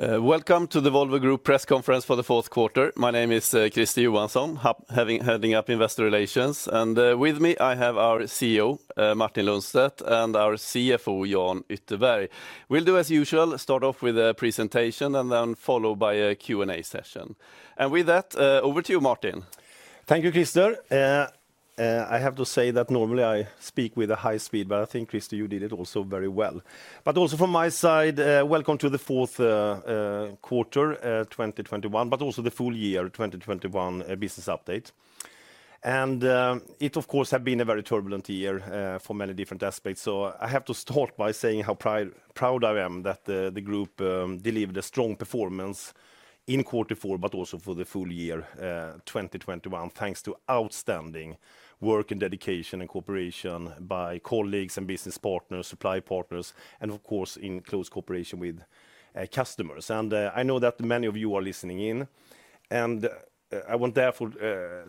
Welcome to the Volvo Group press conference for the fourth quarter. My name is Christer Johansson, heading up investor relations. With me, I have our CEO, Martin Lundstedt, and our CFO, Jan Ytterberg. We'll do as usual, start off with a presentation, and then followed by a Q&A session. With that, over to you, Martin. Thank you, Christer. I have to say that normally I speak with a high speed, but I think, Christer, you did it also very well. Also from my side, welcome to the fourth quarter 2021, but also the full year 2021 business update. It of course have been a very turbulent year for many different aspects. I have to start by saying how proud I am that the group delivered a strong performance in quarter four, but also for the full year 2021, thanks to outstanding work and dedication and cooperation by colleagues and business partners, supply partners, and of course in close cooperation with customers. I know that many of you are listening in, and I want therefore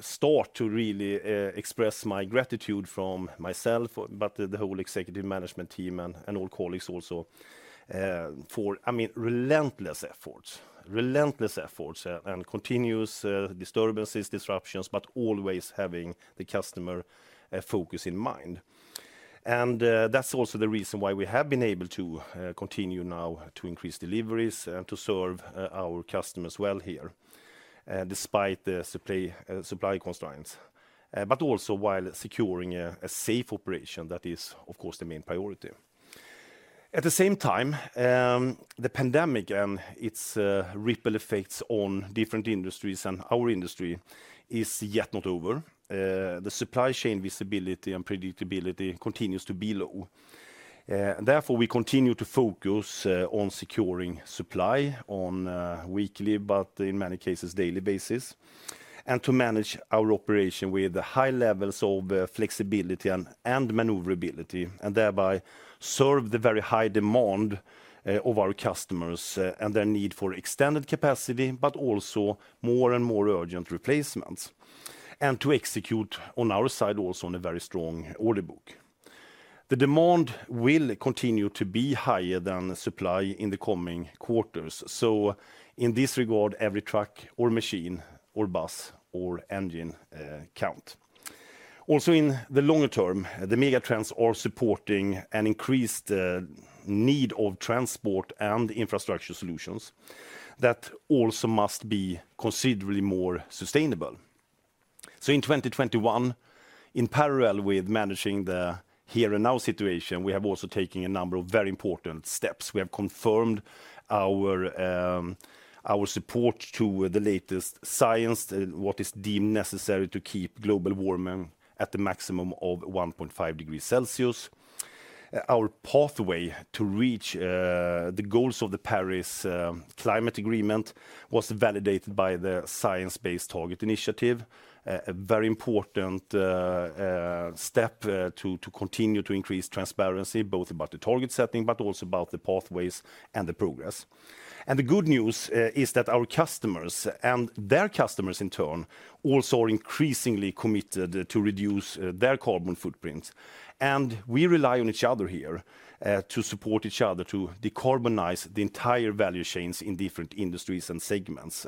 start to really express my gratitude from myself, but the whole executive management team and all colleagues also for, I mean, relentless efforts. Relentless efforts and continuous disturbances, disruptions, but always having the customer focus in mind. That's also the reason why we have been able to continue now to increase deliveries and to serve our customers well here despite the supply constraints but also while securing a safe operation that is, of course, the main priority. At the same time, the pandemic and its ripple effects on different industries and our industry is yet not over. The supply chain visibility and predictability continues to be low. Therefore, we continue to focus on securing supply on a weekly, but in many cases, daily basis, and to manage our operation with high levels of flexibility and maneuverability, and thereby serve the very high demand of our customers and their need for extended capacity, but also more and more urgent replacements, and to execute on our side also on a very strong order book. The demand will continue to be higher than the supply in the coming quarters. In this regard, every truck or machine or bus or engine count. Also, in the longer term, the mega trends are supporting an increased need of transport and infrastructure solutions that also must be considerably more sustainable. In 2021, in parallel with managing the here and now situation, we have also taken a number of very important steps. We have confirmed our support to the latest science, what is deemed necessary to keep global warming at the maximum of 1.5 degrees Celsius. Our pathway to reach the goals of the Paris Agreement was validated by the Science Based Targets initiative, a very important step to continue to increase transparency, both about the target setting, but also about the pathways and the progress. The good news is that our customers and their customers in turn also are increasingly committed to reduce their carbon footprint. We rely on each other here to support each other to decarbonize the entire value chains in different industries and segments.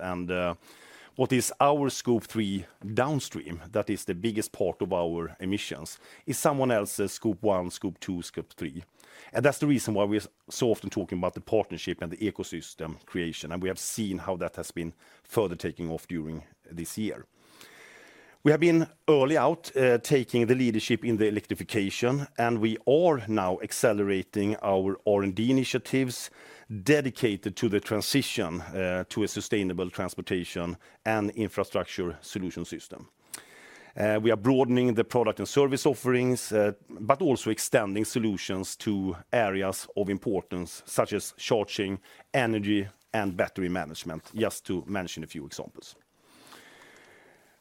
What is our Scope 3 downstream, that is the biggest part of our emissions, is someone else's Scope 1, Scope 2, Scope 3. That's the reason why we are so often talking about the partnership and the ecosystem creation. We have seen how that has been further taking off during this year. We have been early out, taking the leadership in the electrification, and we are now accelerating our R&D initiatives dedicated to the transition, to a sustainable transportation and infrastructure solution system. We are broadening the product and service offerings, but also extending solutions to areas of importance, such as charging, energy, and battery management, just to mention a few examples.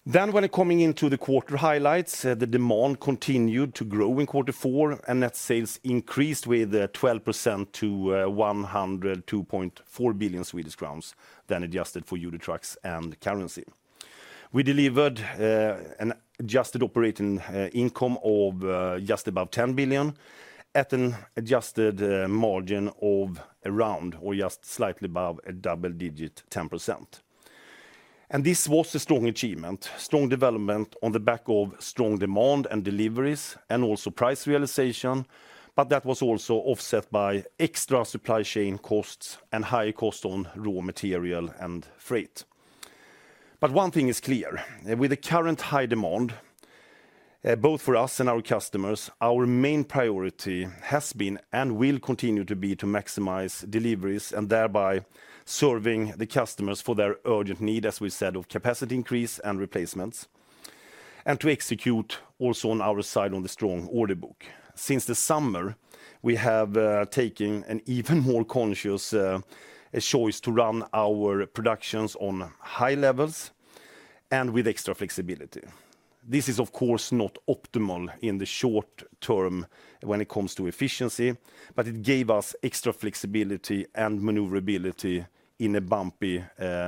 When coming into the quarter highlights, the demand continued to grow in quarter four, and net sales increased with 12% to 102.4 billion Swedish crowns, then adjusted for UD Trucks and currency. We delivered an adjusted operating income of just above 10 billion, at an adjusted margin of around or just slightly above 10%. This was a strong achievement, strong development on the back of strong demand and deliveries and also price realization, but that was also offset by extra supply chain costs and higher cost on raw material and freight. One thing is clear, with the current high demand both for us and our customers, our main priority has been and will continue to be to maximize deliveries and thereby serving the customers for their urgent need, as we said, of capacity increase and replacements, and to execute also on our side on the strong order book. Since the summer, we have taken an even more conscious choice to run our productions on high levels and with extra flexibility. This is of course not optimal in the short term when it comes to efficiency, but it gave us extra flexibility and maneuverability in a bumpy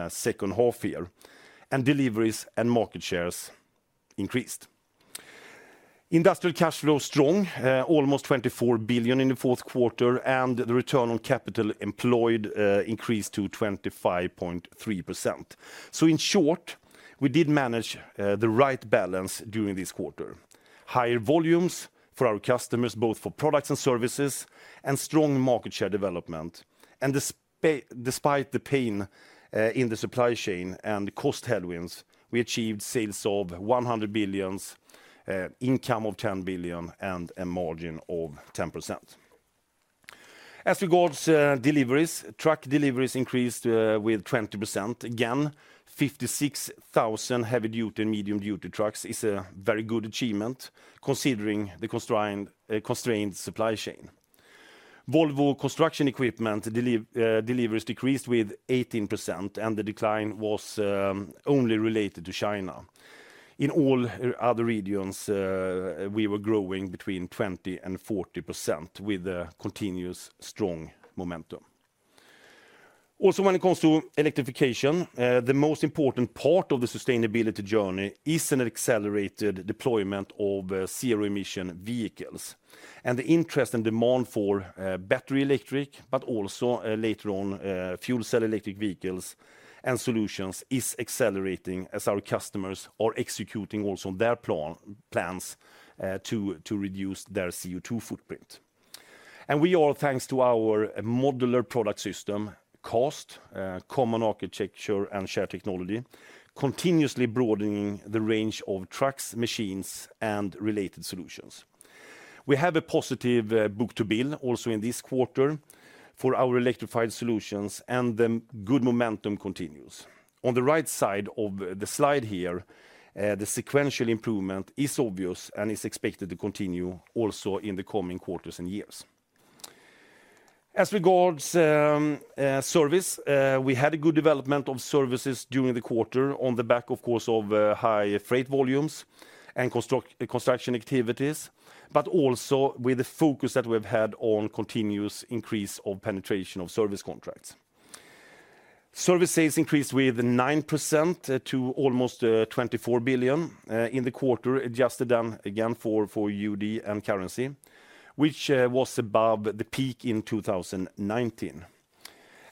second half year, and deliveries and market shares increased. Industrial cash flow strong, almost 24 billion in the fourth quarter, and the return on capital employed increased to 25.3%. In short, we did manage the right balance during this quarter. Higher volumes for our customers, both for products and services, and strong market share development. Despite the pain in the supply chain and cost headwinds, we achieved sales of 100 billion, income of 10 billion, and a margin of 10%. As regards deliveries, truck deliveries increased with 20%. Again, 56,000 heavy-duty and medium-duty trucks is a very good achievement considering the constrained supply chain. Volvo Construction Equipment deliveries decreased with 18%, and the decline was only related to China. In all other regions, we were growing between 20%-40% with a continuous strong momentum. Also, when it comes to electrification, the most important part of the sustainability journey is an accelerated deployment of zero-emission vehicles. The interest and demand for battery electric, but also later on, fuel cell electric vehicles and solutions is accelerating as our customers are executing also their plans to reduce their CO2 footprint. We are, thanks to our modular product system, CAST, Common Architecture and Shared Technology, continuously broadening the range of trucks, machines, and related solutions. We have a positive, book-to-bill also in this quarter for our electrified solutions, and the good momentum continues. On the right side of the slide here, the sequential improvement is obvious and is expected to continue also in the coming quarters and years. As regards, service, we had a good development of services during the quarter on the back, of course, of, high freight volumes and construction activities, but also with the focus that we've had on continuous increase of penetration of service contracts. Service sales increased with 9% to almost 24 billion in the quarter, adjusted down again for UD and currency, which was above the peak in 2019.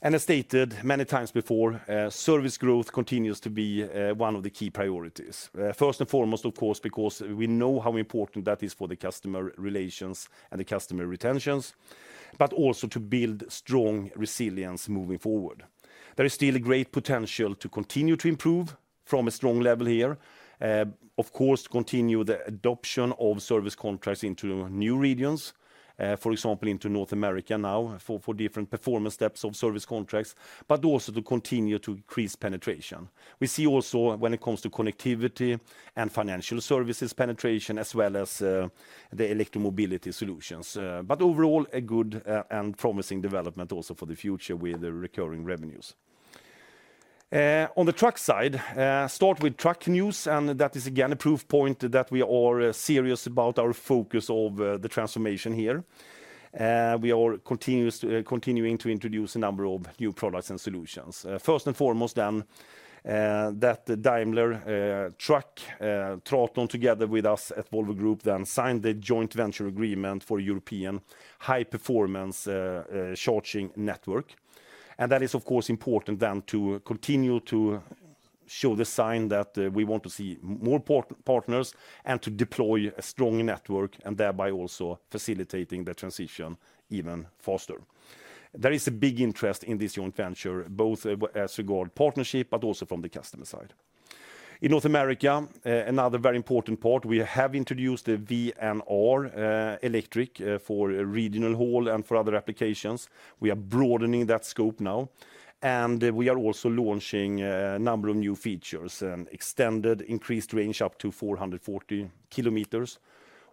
As stated many times before, service growth continues to be one of the key priorities. First and foremost, of course, because we know how important that is for the customer relations and the customer retentions, but also to build strong resilience moving forward. There is still a great potential to continue to improve from a strong level here. Of course, to continue the adoption of service contracts into new regions, for example, into North America now for different performance depths of service contracts, but also to continue to increase penetration. We see also when it comes to connectivity and financial services penetration, as well as the electromobility solutions. Overall, a good and promising development also for the future with the recurring revenues. On the truck side, start with truck news, and that is again a proof point that we are serious about our focus of the transformation here. We are continuing to introduce a number of new products and solutions. First and foremost then, that Daimler Truck, TRATON together with us at Volvo Group then signed the joint venture agreement for European high-performance charging network. That is of course important then to continue to send the signal that we want to see more partners and to deploy a strong network and thereby also facilitating the transition even faster. There is a big interest in this joint venture, both as regards partnership but also from the customer side. In North America, another very important part, we have introduced the VNR Electric for regional haul and for other applications. We are broadening that scope now, and we are also launching a number of new features, an extended increased range up to 440 km,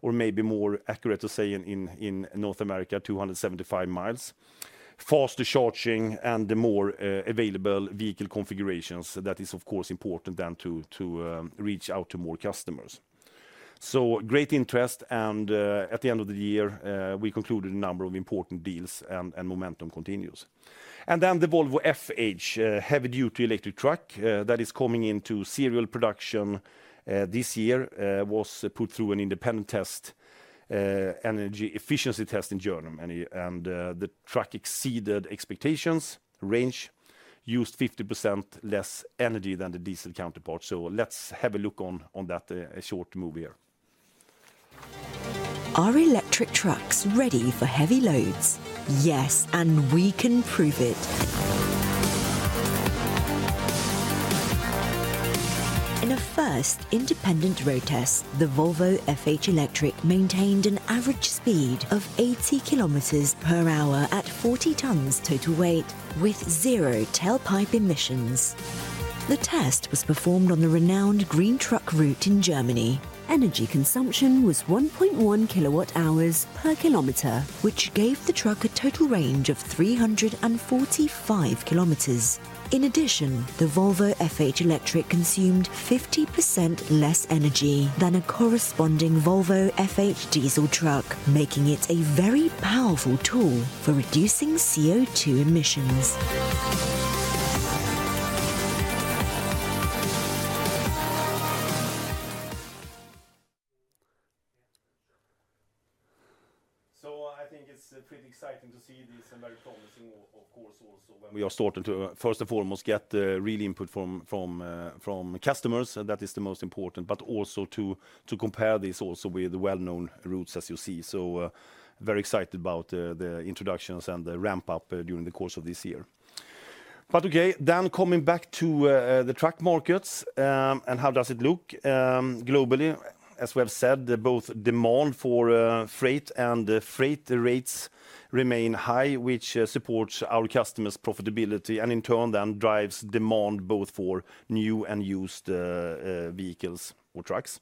or maybe more accurate to say in North America, 275 mi, faster charging, and more available vehicle configurations. That is, of course, important then to reach out to more customers. Great interest and at the end of the year, we concluded a number of important deals and momentum continues. The Volvo FH heavy-duty electric truck that is coming into serial production this year was put through an independent energy efficiency test in Germany. The truck exceeded expectations, range, used 50% less energy than the diesel counterpart. Let's have a look on that short movie here. Are electric trucks ready for heavy loads? Yes, we can prove it. In a first independent road test, the Volvo FH Electric maintained an average speed of 80 km per hour at 40 tons total weight with 0 tailpipe emissions. The test was performed on the renowned Green Truck Route in Germany. Energy consumption was 1.1 kWh per kilometer, which gave the truck a total range of 345 km. In addition, the Volvo FH Electric consumed 50% less energy than a corresponding Volvo FH diesel truck, making it a very powerful tool for reducing CO2 emissions. I think it's pretty exciting to see this very promising. Of course, we are starting to first and foremost get real input from customers, that is the most important. Also to compare this also with the well-known routes as you see. Very excited about the introductions and the ramp up during the course of this year. Okay, coming back to the truck markets and how does it look globally. As we have said, both demand for freight and the freight rates remain high, which supports our customers' profitability and in turn then drives demand both for new and used vehicles or trucks.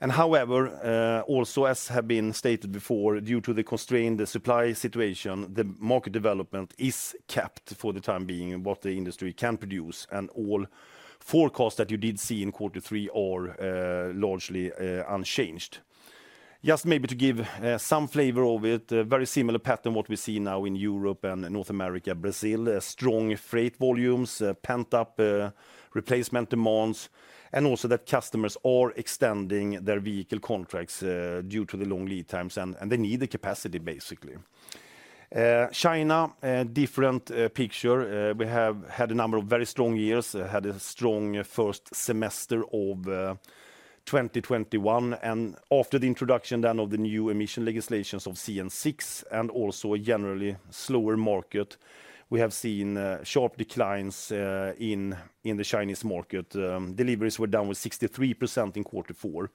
However, also as have been stated before, due to the constrained supply situation, the market development is capped for the time being in what the industry can produce. All forecasts that you did see in quarter three are largely unchanged. Just maybe to give some flavor of it, a very similar pattern what we see now in Europe and North America, Brazil. Strong freight volumes, pent up replacement demands, and also that customers are extending their vehicle contracts due to the long lead times, and they need the capacity basically. China, a different picture. We have had a number of very strong years, had a strong first semester of 2021. After the introduction then of the new emission legislations of CN6 and also a generally slower market, we have seen sharp declines in the Chinese market. Deliveries were down with 63% in quarter four,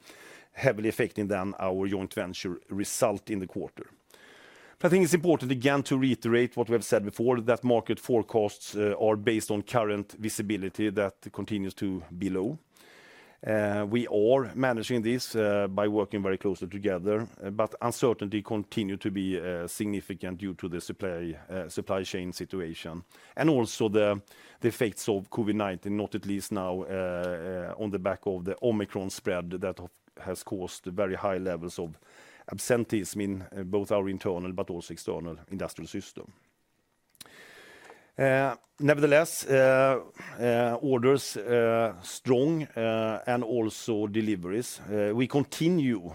heavily affecting then our joint venture result in the quarter. I think it's important, again, to reiterate what we have said before, that market forecasts are based on current visibility that continues to be low. We are managing this by working very closely together. Uncertainty continue to be significant due to the supply chain situation. Also the effects of COVID-19, not least now, on the back of the Omicron spread that has caused very high levels of absenteeism in both our internal but also external industrial system. Nevertheless, orders are strong and also deliveries. We continue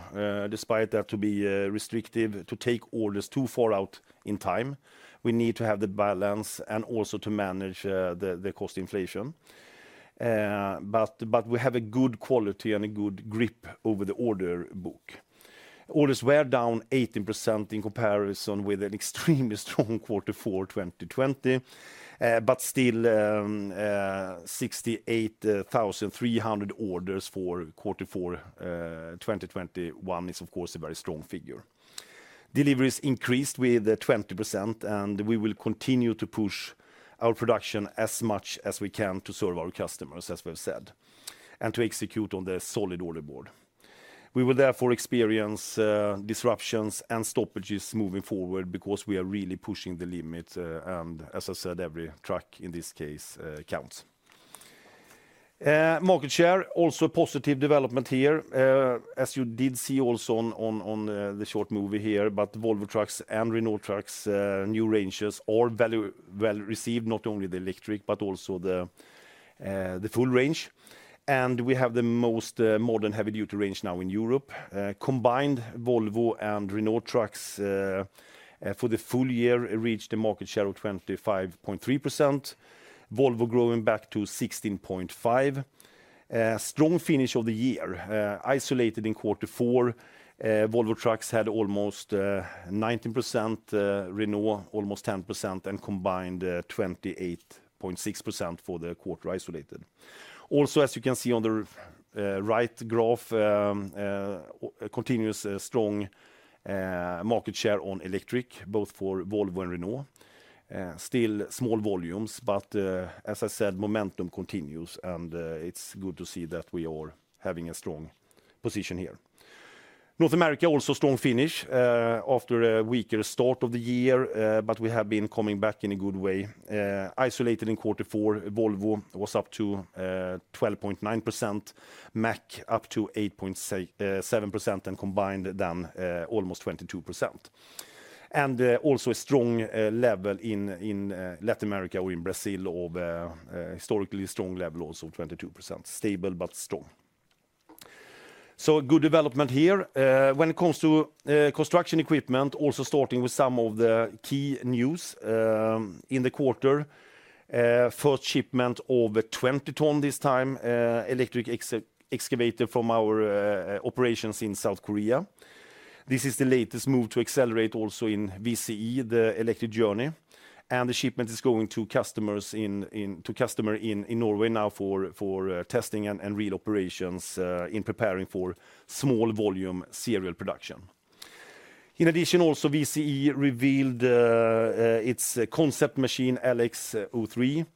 despite there being restrictions to take orders too far out in time. We need to have the balance and also to manage the cost inflation. We have a good quality and a good grip over the order book. Orders were down 18% in comparison with an extremely strong quarter four, 2020. Still, 68,300 orders for quarter four, 2021 is of course a very strong figure. Deliveries increased with 20%, and we will continue to push our production as much as we can to serve our customers, as we've said, and to execute on the solid order book. We will therefore experience disruptions and stoppages moving forward because we are really pushing the limit, and as I said, every truck in this case counts. Market share also a positive development here. As you did see also on the short movie here, but Volvo Trucks and Renault Trucks new ranges are well received, not only the electric, but also the full range. We have the most modern heavy-duty range now in Europe. Combined Volvo and Renault Trucks for the full year reached a market share of 25.3%. Volvo growing back to 16.5%. Strong finish of the year. Isolated in quarter four, Volvo Trucks had almost 19%, Renault almost 10%, and combined 28.6% for the quarter isolated. Also, as you can see on the right graph, a continuous strong market share on electric, both for Volvo and Renault. Still small volumes, but as I said, momentum continues and it's good to see that we are having a strong position here. North America, also strong finish after a weaker start of the year, but we have been coming back in a good way. Isolated in quarter four, Volvo was up to 12.9%, Mack up to 8.7%, and combined then almost 22%. Also a strong level in Latin America or in Brazil of historically strong level, also 22%. Stable but strong. Good development here. When it comes to construction equipment, also starting with some of the key news in the quarter. First shipment of a 20-ton electric excavator from our operations in South Korea this time. This is the latest move to accelerate also in VCE the electric journey. The shipment is going to customers in Norway now for testing and real operations in preparing for small volume serial production. In addition, VCE revealed its concept machine, LX-03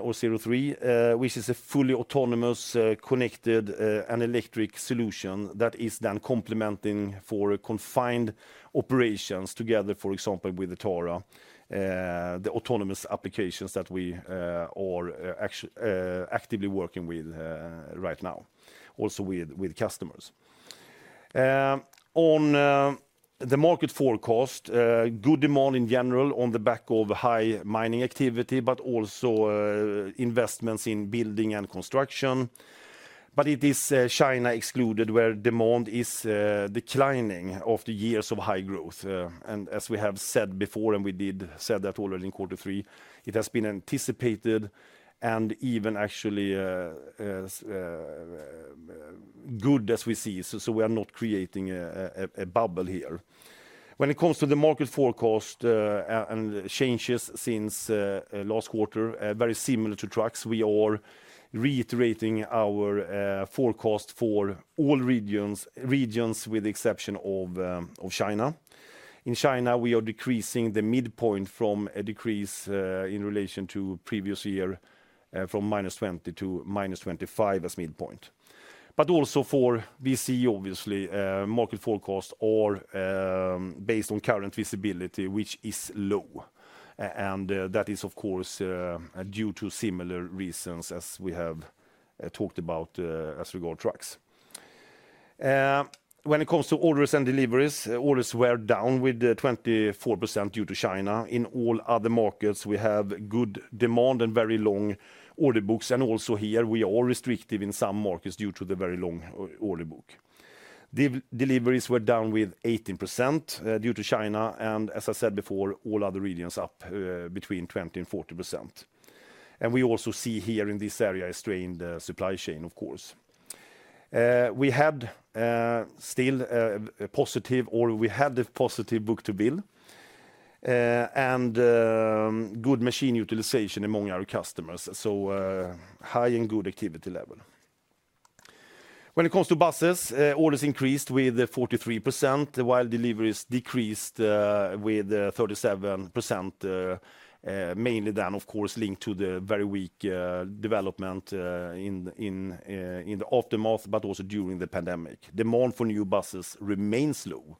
or 03, which is a fully autonomous connected and electric solution that is then complementing for confined operations together, for example, with the TARA, the autonomous applications that we are actively working with right now, also with customers. On the market forecast, good demand in general on the back of high mining activity, but also investments in building and construction. It is China excluded, where demand is declining after years of high growth. As we have said before, we did said that already in quarter three, it has been anticipated and even actually as good as we see. We are not creating a bubble here. When it comes to the market forecast and changes since last quarter, very similar to trucks, we are reiterating our forecast for all regions with the exception of China. In China, we are decreasing the midpoint from a decrease in relation to previous year from -20% to -25% as midpoint. Also for VCE, obviously, market forecast based on current visibility, which is low. That is, of course, due to similar reasons as we have talked about as regards trucks. When it comes to orders and deliveries, orders were down 24% due to China. In all other markets, we have good demand and very long order books, and also here we are restrictive in some markets due to the very long order book. Deliveries were down 18% due to China, and as I said before, all other regions up between 20%-40%. We also see here in this area a strained supply chain, of course. We had a positive book-to-bill and good machine utilization among our customers, so high and good activity level. When it comes to buses, orders increased with 43%, while deliveries decreased with 37%, mainly then, of course, linked to the very weak development in the aftermath, but also during the pandemic. Demand for new buses remains low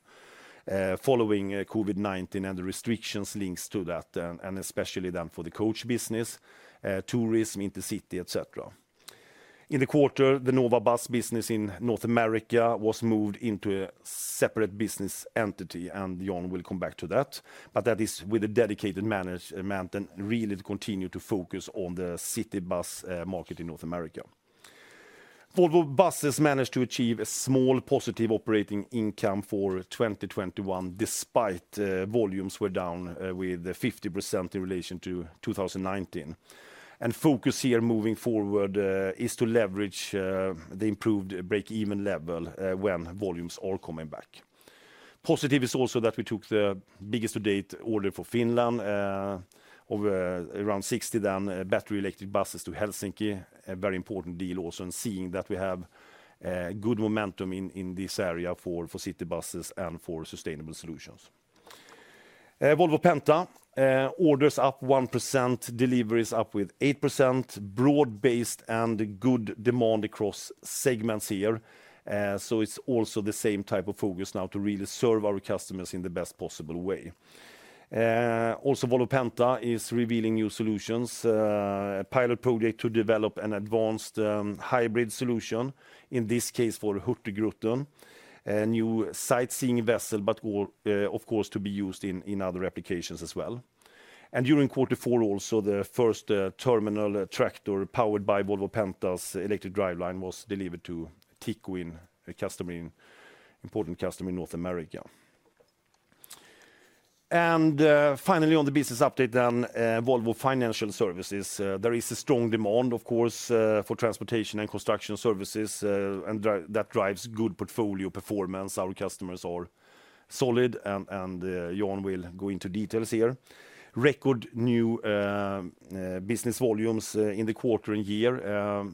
following COVID-19 and the restrictions linked to that, and especially then for the coach business, tourism, intercity, et cetera. In the quarter, the Nova Bus business in North America was moved into a separate business entity, and Jan will come back to that. That is with a dedicated management and really continue to focus on the city bus market in North America. Volvo Buses managed to achieve a small positive operating income for 2021, despite volumes were down with 50% in relation to 2019. Focus here moving forward is to leverage the improved break-even level when volumes are coming back. Positive is also that we took the biggest to-date order for Finland of around 60 then battery electric buses to Helsinki, a very important deal also, and seeing that we have good momentum in this area for city buses and for sustainable solutions. Volvo Penta orders up 1%, deliveries up with 8%, broad-based and good demand across segments here. It's also the same type of focus now to really serve our customers in the best possible way. Also, Volvo Penta is revealing new solutions, a pilot project to develop an advanced hybrid solution, in this case for Hurtigruten, a new sightseeing vessel, but of course, to be used in other applications as well. During quarter four also, the first terminal tractor powered by Volvo Penta's electric driveline was delivered to TICO, an important customer in North America. Finally, on the business update, Volvo Financial Services, there is a strong demand, of course, for transportation and construction services, and that drives good portfolio performance. Our customers are solid, and Jan will go into details here. Record new business volumes in the quarter and year,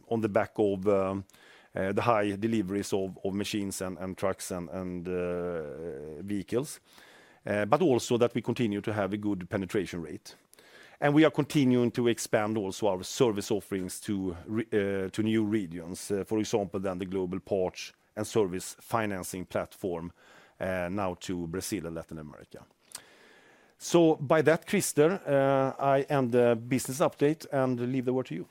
on the back of the high deliveries of machines and trucks and vehicles. We continue to have a good penetration rate. We are continuing to expand also our service offerings to new regions. For example, the global parts and service financing platform now to Brazil and Latin America. By that, Christer, I end the business update and leave the word to you.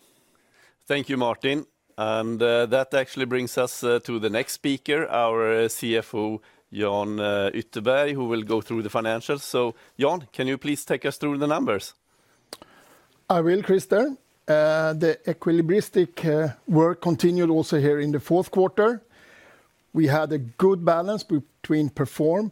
Thank you, Martin. That actually brings us to the next speaker, our CFO, Jan Ytterberg, who will go through the financials. Jan, can you please take us through the numbers? I will, Christer. The equilibristic work continued also here in the fourth quarter. We had a good balance between perform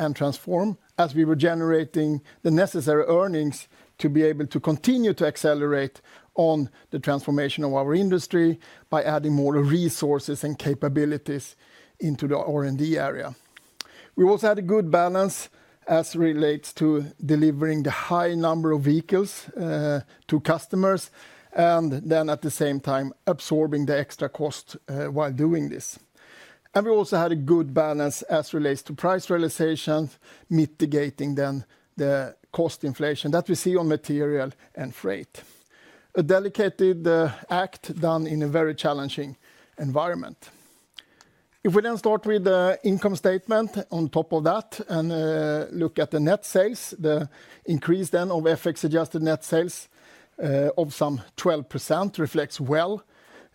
and transform as we were generating the necessary earnings to be able to continue to accelerate on the transformation of our industry by adding more resources and capabilities into the R&D area. We also had a good balance as relates to delivering the high number of vehicles to customers, and then at the same time absorbing the extra cost while doing this. We also had a good balance as relates to price realizations, mitigating then the cost inflation that we see on material and freight, a dedicated act done in a very challenging environment. If we start with the income statement on top of that and look at the net sales, the increase of FX-adjusted net sales of some 12% reflects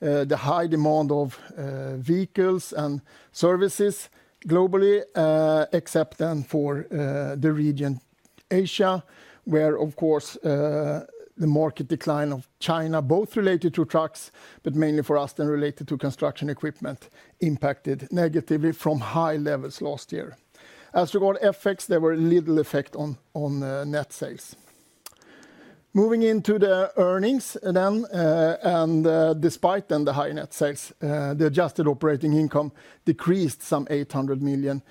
the high demand of vehicles and services globally, except for the region Asia, where, of course, the market decline of China, both related to trucks, but mainly for us related to construction equipment, impacted negatively from high levels last year. As regards FX, there was little effect on net sales. Moving into the earnings, despite the high net sales, the adjusted operating income decreased some 800 million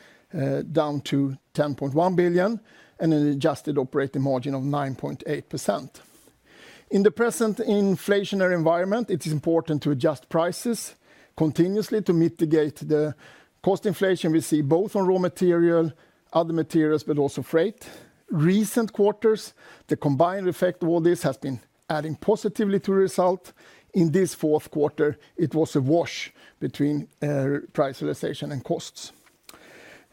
down to 10.1 billion, and an adjusted operating margin of 9.8%. In the present inflationary environment, it is important to adjust prices continuously to mitigate the cost inflation we see both on raw material, other materials, but also freight. Recent quarters, the combined effect of all this has been adding positively to result. In this fourth quarter, it was a wash between price realization and costs.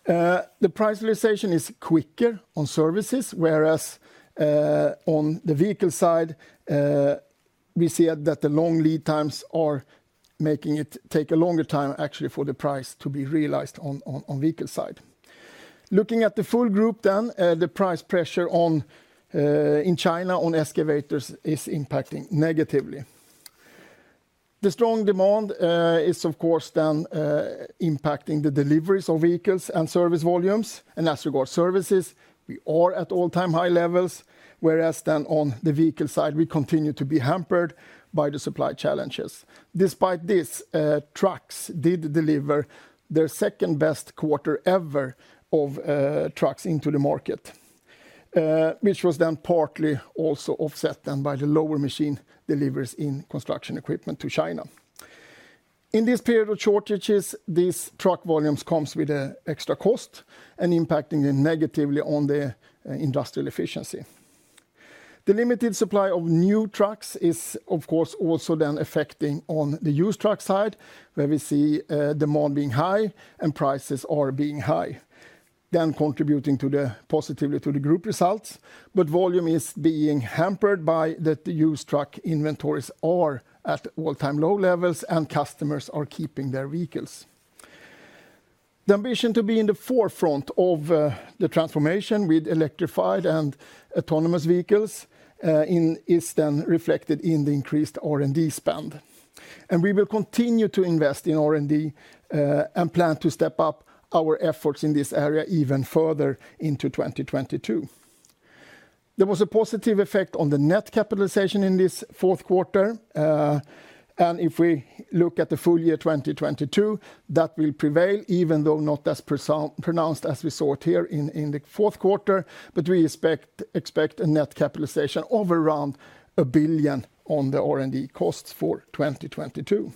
The price realization is quicker on services, whereas on the vehicle side, we see that the long lead times are making it take a longer time actually for the price to be realized on vehicle side. Looking at the full group then, the price pressure in China on excavators is impacting negatively. The strong demand is of course then impacting the deliveries of vehicles and service volumes. As regards services, we are at all-time high levels, whereas on the vehicle side, we continue to be hampered by the supply challenges. Despite this, trucks did deliver their second-best quarter ever of trucks into the market, which was then partly also offset by the lower machine deliveries in Construction Equipment to China. In this period of shortages, these truck volumes come with an extra cost and impacting negatively on the industrial efficiency. The limited supply of new trucks is of course also affecting on the used truck side, where we see demand being high and prices are being high, contributing positively to the group results. Volume is being hampered by the used truck inventories are at all-time low levels, and customers are keeping their vehicles. The ambition to be in the forefront of the transformation with electrified and autonomous vehicles is then reflected in the increased R&D spend. We will continue to invest in R&D and plan to step up our efforts in this area even further into 2022. There was a positive effect on the net capitalization in this fourth quarter. If we look at the full year 2022, that will prevail, even though not as pronounced as we saw it here in the fourth quarter. We expect a net capitalization of around 1 billion on the R&D costs for 2022.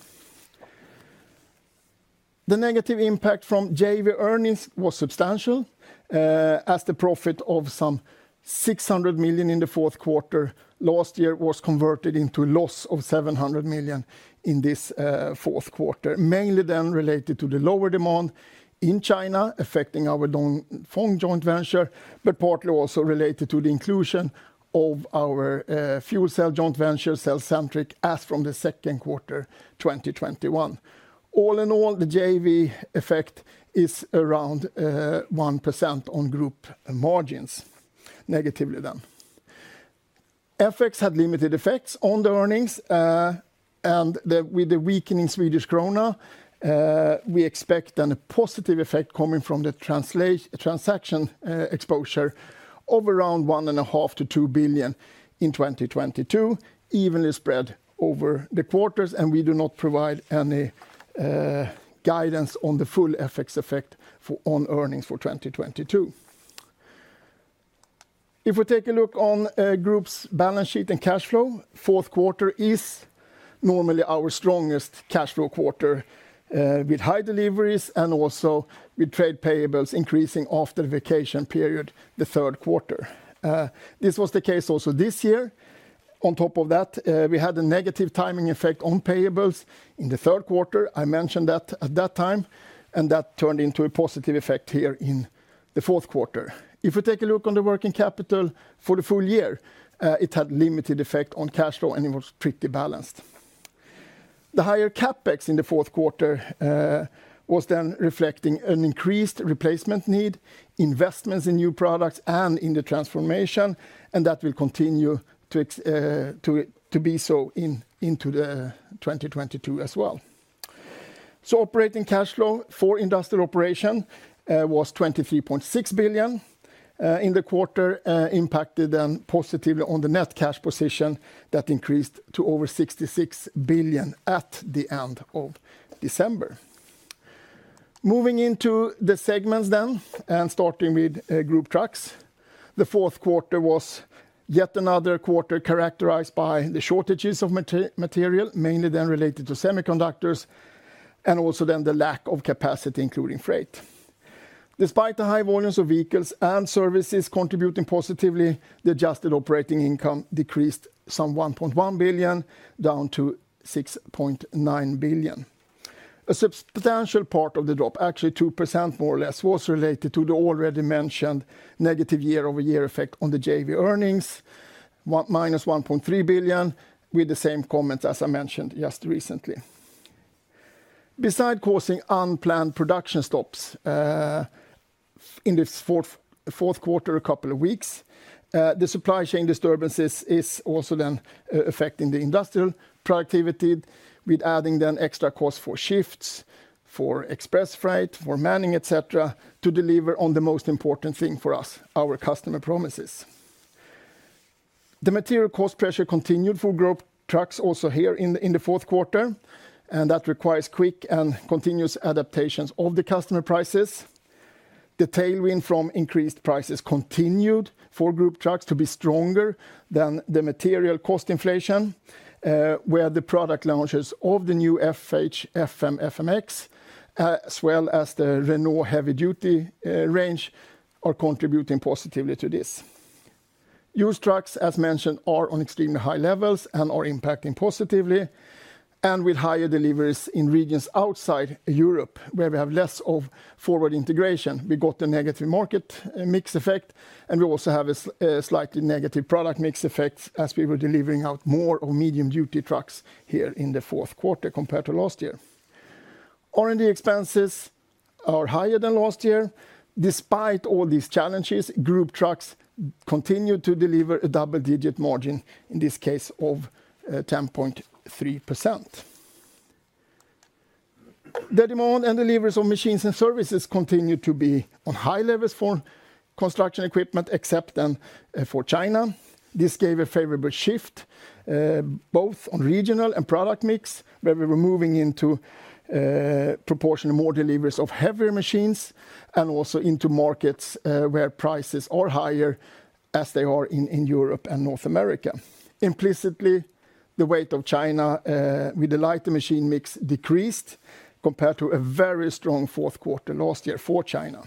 The negative impact from JV earnings was substantial, as the profit of some 600 million in the fourth quarter last year was converted into loss of 700 million in this fourth quarter. Mainly related to the lower demand in China affecting our Dongfeng joint venture, but partly also related to the inclusion of our fuel cell joint venture, cellcentric, as from the second quarter, 2021. All in all, the JV effect is around 1% on group margins, negatively. FX had limited effects on the earnings, and with the weakening Swedish krona, we expect a positive effect coming from the transaction exposure of around 1.5 billion-2 billion in 2022, evenly spread over the quarters, and we do not provide any guidance on the full FX effect on earnings for 2022. If we take a look on group's balance sheet and cash flow, fourth quarter is normally our strongest cash flow quarter with high deliveries and also with trade payables increasing after vacation period, the third quarter. This was the case also this year. On top of that, we had a negative timing effect on payables in the third quarter. I mentioned that at that time, and that turned into a positive effect here in the fourth quarter. If we take a look on the working capital for the full year, it had limited effect on cash flow, and it was pretty balanced. The higher CapEx in the fourth quarter was then reflecting an increased replacement need, investments in new products, and in the transformation, and that will continue to be so into 2022 as well. Operating cash flow for industrial operation was 23.6 billion in the quarter, impacted then positively on the net cash position that increased to over 66 billion at the end of December. Moving into the segments, and starting with Group Trucks. The fourth quarter was yet another quarter characterized by the shortages of material, mainly related to semiconductors, and also the lack of capacity, including freight. Despite the high volumes of vehicles and services contributing positively, the adjusted operating income decreased some 1.1 billion, down to 6.9 billion. A substantial part of the drop, actually 2% more or less, was related to the already mentioned negative YoY effect on the JV earnings. Minus 1.3 billion, with the same comments as I mentioned just recently. Besides causing unplanned production stops, in the fourth quarter a couple of weeks, the supply chain disturbances is also then affecting the industrial productivity with adding then extra costs for shifts, for express freight, for manning, et cetera, to deliver on the most important thing for us, our customer promises. The material cost pressure continued for Group Trucks also here in the fourth quarter, and that requires quick and continuous adaptations of the customer prices. The tailwind from increased prices continued for Group Trucks to be stronger than the material cost inflation, where the product launches of the new FH, FM, FMX, as well as the Renault heavy-duty range are contributing positively to this. Used trucks, as mentioned, are on extremely high levels and are impacting positively. With higher deliveries in regions outside Europe, where we have less of forward integration, we got a negative market mix effect, and we also have a slightly negative product mix effect as we were delivering out more of medium duty trucks here in the fourth quarter compared to last year. R&D expenses are higher than last year. Despite all these challenges, Group Trucks continue to deliver a double-digit margin, in this case of 10.3%. The demand and deliveries of Machines and Services continue to be on high levels for construction equipment, except for China. This gave a favorable shift both on regional and product mix, where we were moving into proportion of more deliveries of heavier machines and also into markets where prices are higher as they are in Europe and North America. Implicitly, the weight of China, with the lighter machine mix decreased compared to a very strong fourth quarter last year for China.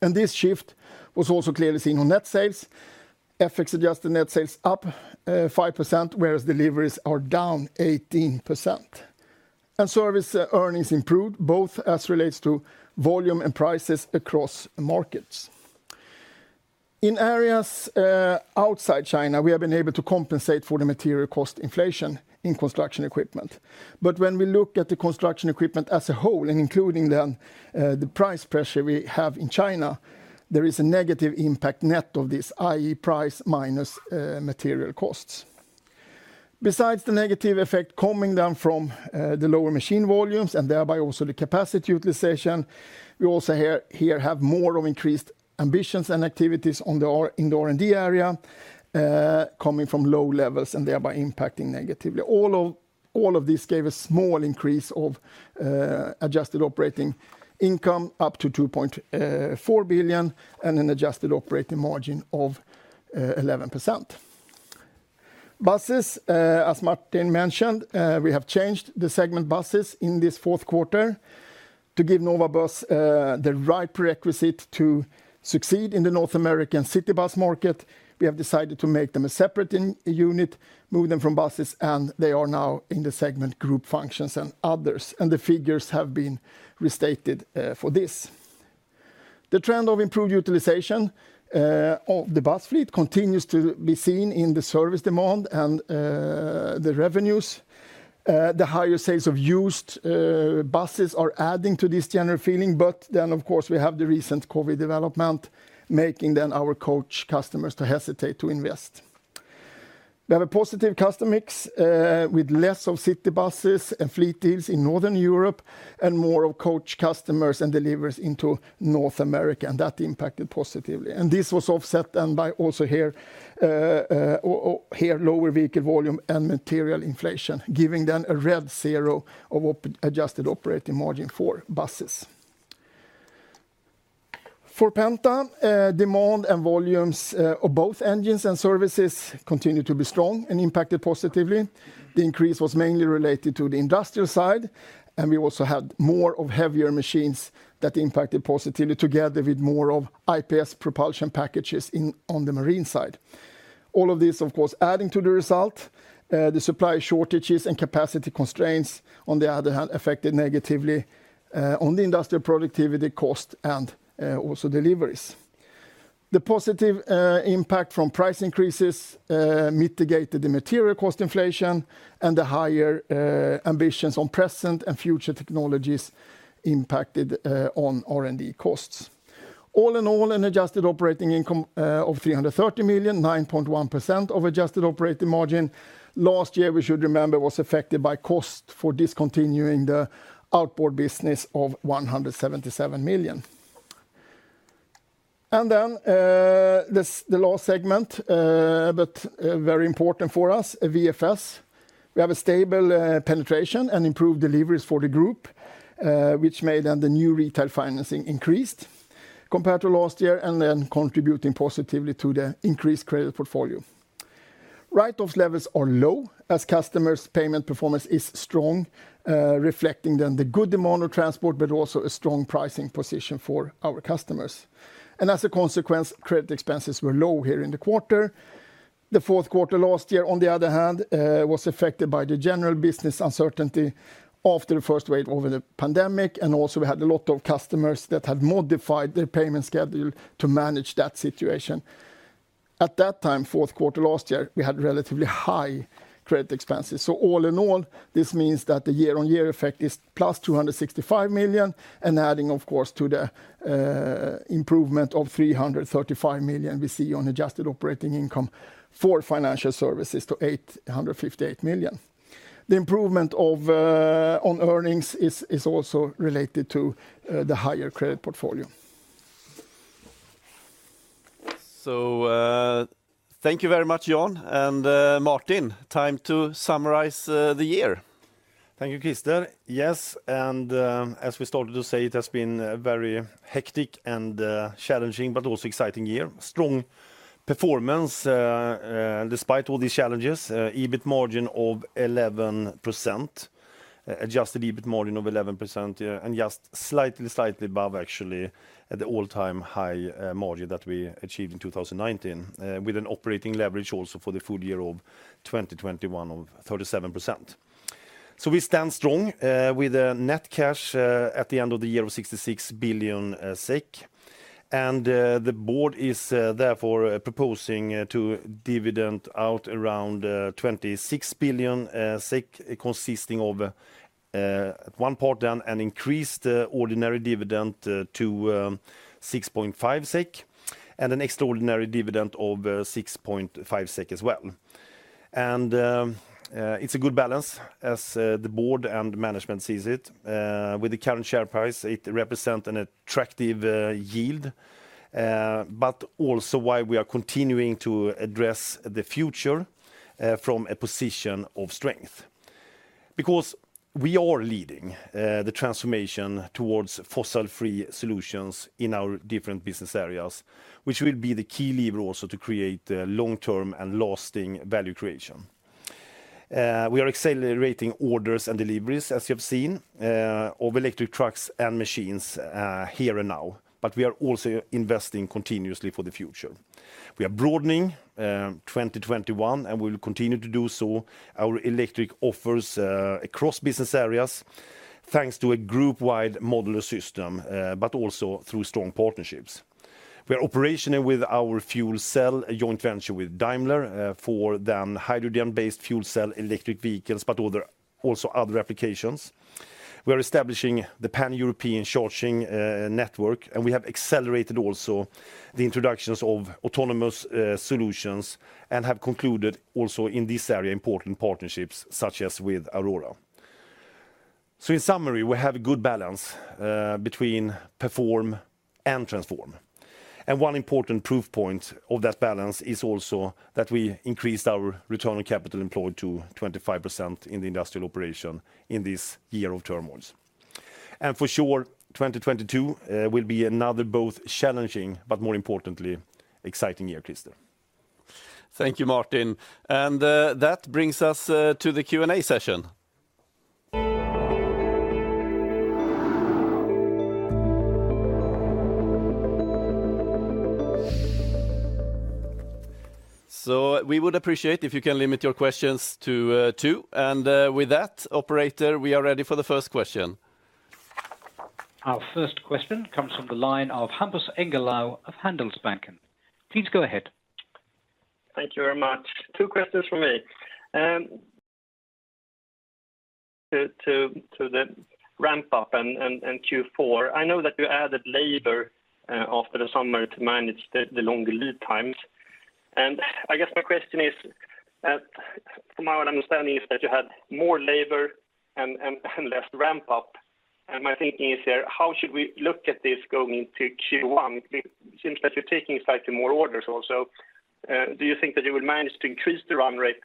This shift was also clearly seen on net sales. FX-adjusted net sales up 5%, whereas deliveries are down 18%. Service earnings improved, both as relates to volume and prices across markets. In areas outside China, we have been able to compensate for the material cost inflation in construction equipment. When we look at the construction equipment as a whole and including then, the price pressure we have in China, there is a negative impact net of this, i.e. price minus material costs. Besides the negative effect coming down from the lower machine volumes and thereby also the capacity utilization, we also have more increased ambitions and activities in the R&D area, coming from low levels and thereby impacting negatively. All of this gave a small increase of adjusted operating income up to 2.4 billion and an adjusted operating margin of 11%. As Martin mentioned, we have changed the Buses segment in this fourth quarter to give Nova Bus the right prerequisite to succeed in the North American city bus market. We have decided to make them a separate unit, move them from Buses, and they are now in the segment Group Functions and Other, and the figures have been restated for this. The trend of improved utilization of the bus fleet continues to be seen in the service demand and the revenues. The higher sales of used buses are adding to this general feeling, but then, of course, we have the recent COVID development, making then our coach customers to hesitate to invest. We have a positive customer mix with less of city buses and fleet deals in Northern Europe and more of coach customers and deliveries into North America, and that impacted positively. This was offset then by also here, lower vehicle volume and material inflation, giving then a near-zero op-adjusted operating margin for buses. For Penta, demand and volumes of both engines and services continued to be strong and impacted positively. The increase was mainly related to the industrial side, and we also had more of heavier machines that impacted positively together with more of IPS propulsion packages in on the marine side. All of this, of course, adding to the result. The supply shortages and capacity constraints on the other hand affected negatively on the industrial productivity cost and also deliveries. The positive impact from price increases mitigated the material cost inflation and the higher ambitions on present and future technologies impacted on R&D costs. All in all, an adjusted operating income of 330 million, 9.1% of adjusted operating margin. Last year, we should remember, was affected by cost for discontinuing the outboard business of 177 million. This, the last segment, but very important for us, VFS. We have a stable, penetration and improved deliveries for the group, which made then the new retail financing increased compared to last year and then contributing positively to the increased credit portfolio. Write-offs levels are low as customers' payment performance is strong, reflecting then the good demand of transport, but also a strong pricing position for our customers. As a consequence, credit expenses were low here in the quarter. The fourth quarter last year, on the other hand, was affected by the general business uncertainty after the first wave of the pandemic, and also we had a lot of customers that had modified their payment schedule to manage that situation. At that time, fourth quarter last year, we had relatively high credit expenses. All in all, this means that the year-on-year effect is plus 265 million, and adding, of course, to the improvement of 335 million we see on adjusted operating income for financial services to 858 million. The improvement on earnings is also related to the higher credit portfolio. Thank you very much, Jan. Martin, time to summarize the year. Thank you, Christer. Yes, as we started to say, it has been a very hectic and challenging but also exciting year. Strong performance despite all these challenges. EBIT margin of 11%, adjusted EBIT margin of 11%, yeah, and just slightly above actually the all-time high margin that we achieved in 2019. With an operating leverage also for the full year of 2021 of 37%. We stand strong with the net cash at the end of the year of 66 billion SEK. The board is therefore proposing to dividend out around 26 billion SEK consisting of one part then an increased ordinary dividend to 6.5 SEK, and an extraordinary dividend of 6.5 SEK as well. It's a good balance as the board and management sees it. With the current share price, it represent an attractive yield, but also why we are continuing to address the future from a position of strength. Because we are leading the transformation towards fossil-free solutions in our different business areas, which will be the key lever also to create long-term and lasting value creation. We are accelerating orders and deliveries, as you have seen, of electric trucks and machines here and now, but we are also investing continuously for the future. We are broadening 2021, and we will continue to do so, our electric offers across business areas, thanks to a group-wide modular system, but also through strong partnerships. We are operating with our fuel cell, a joint venture with Daimler Truck, for the hydrogen-based fuel cell electric vehicles, but also other applications. We are establishing the Pan-European charging network, and we have accelerated also the introductions of autonomous solutions and have concluded also in this area important partnerships such as with Aurora. In summary, we have a good balance between perform and transform. One important proof point of that balance is also that we increased our return on capital employed to 25% in the industrial operation in this year of turmoils. For sure, 2022 will be another both challenging, but more importantly, exciting year, Krister. Thank you, Martin. That brings us to the Q&A session. We would appreciate if you can limit your questions to two. With that, operator, we are ready for the first question. Our first question comes from the line of Hampus Engellau of Handelsbanken. Please go ahead. Thank you very much. Two questions from me. To the ramp up and Q4, I know that you added labor after the summer to manage the longer lead times. I guess my question is, from my understanding is that you had more labor and less ramp up. My thinking is here, how should we look at this going into Q1? It seems that you're taking slightly more orders also. Do you think that you will manage to increase the run rate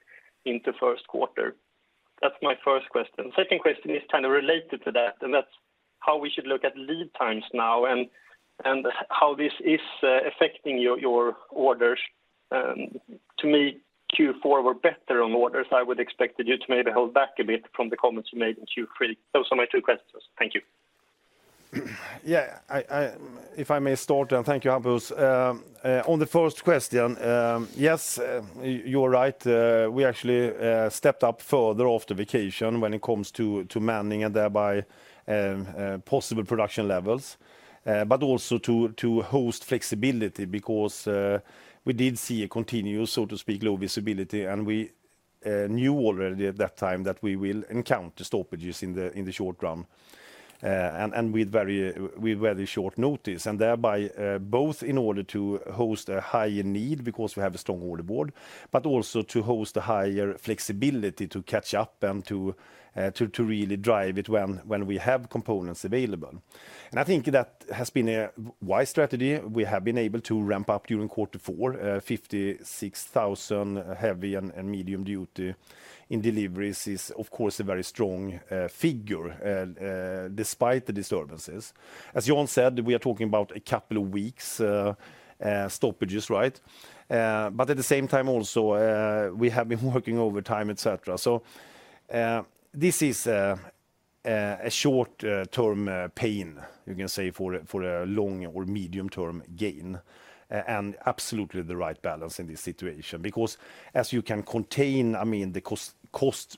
into first quarter? That's my first question. Second question is kind of related to that, and that's how we should look at lead times now and how this is affecting your orders. To me, Q4 were better on orders. I would expect you to maybe hold back a bit from the comments you made in Q3. Those are my two questions. Thank you. If I may start and thank you, Hampus. On the first question, yes, you're right. We actually stepped up further after vacation when it comes to manning and thereby possible production levels, but also to boost flexibility because we did see a continuous, so to speak, low visibility, and we knew already at that time that we will encounter stoppages in the short run and with very short notice. Thereby both in order to boost a higher need because we have a strong order board, but also to boost a higher flexibility to catch up and to really drive it when we have components available. I think that has been a wise strategy. We have been able to ramp up during quarter four, 56,000 heavy- and medium-duty deliveries is, of course, a very strong figure despite the disturbances. As Jan said, we are talking about a couple of weeks stoppages, right? At the same time also, we have been working overtime, et cetera. This is a short-term pain, you can say, for a long- or medium-term gain, and absolutely the right balance in this situation. Because as you can contain, I mean, the cost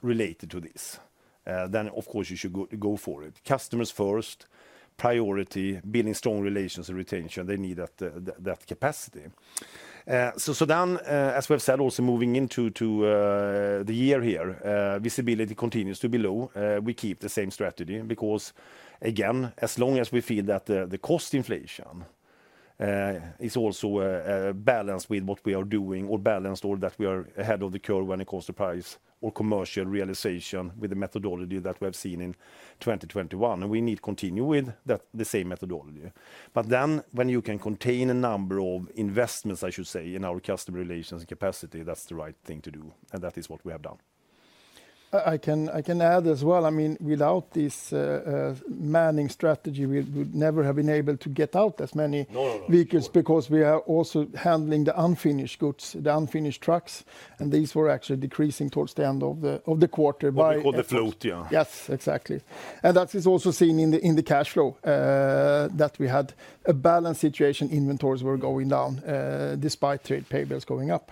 related to this, then of course you should go for it. Customers first priority, building strong relations and retention, they need that capacity. As we've said, also moving into the year here, visibility continues to be low. We keep the same strategy because, again, as long as we feel that the cost inflation is also balanced with what we are doing or that we are ahead of the curve when it comes to price or commercial realization with the methodology that we have seen in 2021. We need to continue with that, the same methodology. When you can contain a number of investments, I should say, in our customer relations and capacity, that's the right thing to do, and that is what we have done. I can add as well, I mean, without this manning strategy, we would never have been able to get out as many- No, no... vehicles because we are also handling the unfinished goods, the unfinished trucks, and these were actually decreasing towards the end of the quarter by- What we call the float, yeah. Yes. Exactly. That is also seen in the cash flow that we had a balanced situation. Inventories were going down despite trade payables going up.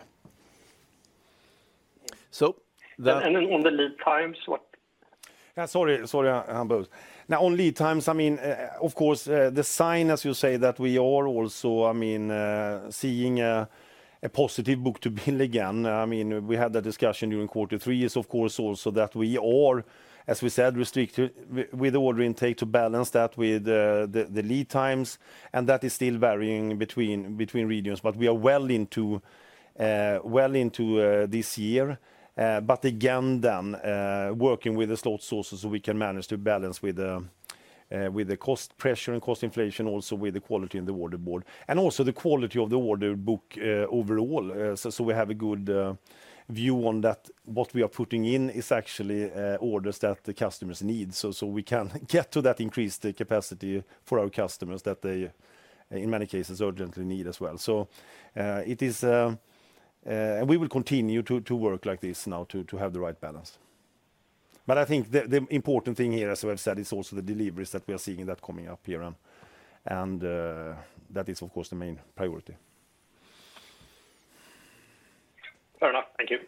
So the- On the lead times, Sorry, sorry, Hampus. Now, on lead times, I mean, of course, the sign, as you say, that we are also, I mean, seeing a positive book-to-bill again. I mean, we had that discussion during quarter three. Yes, of course, also that we are, as we said, restricting order intake to balance that with the lead times, and that is still varying between regions. We are well into this year. Again, working with the supply sources so we can manage to balance with the cost pressure and cost inflation, also with the quality in the order book. Also the quality of the order book overall. We have a good view on that. What we are putting in is actually orders that the customers need. We can get to that increased capacity for our customers that they, in many cases, urgently need as well. We will continue to work like this now to have the right balance. I think the important thing here, as we have said, is also the deliveries that we are seeing that coming up here, and that is of course the main priority. Fair enough. Thank you.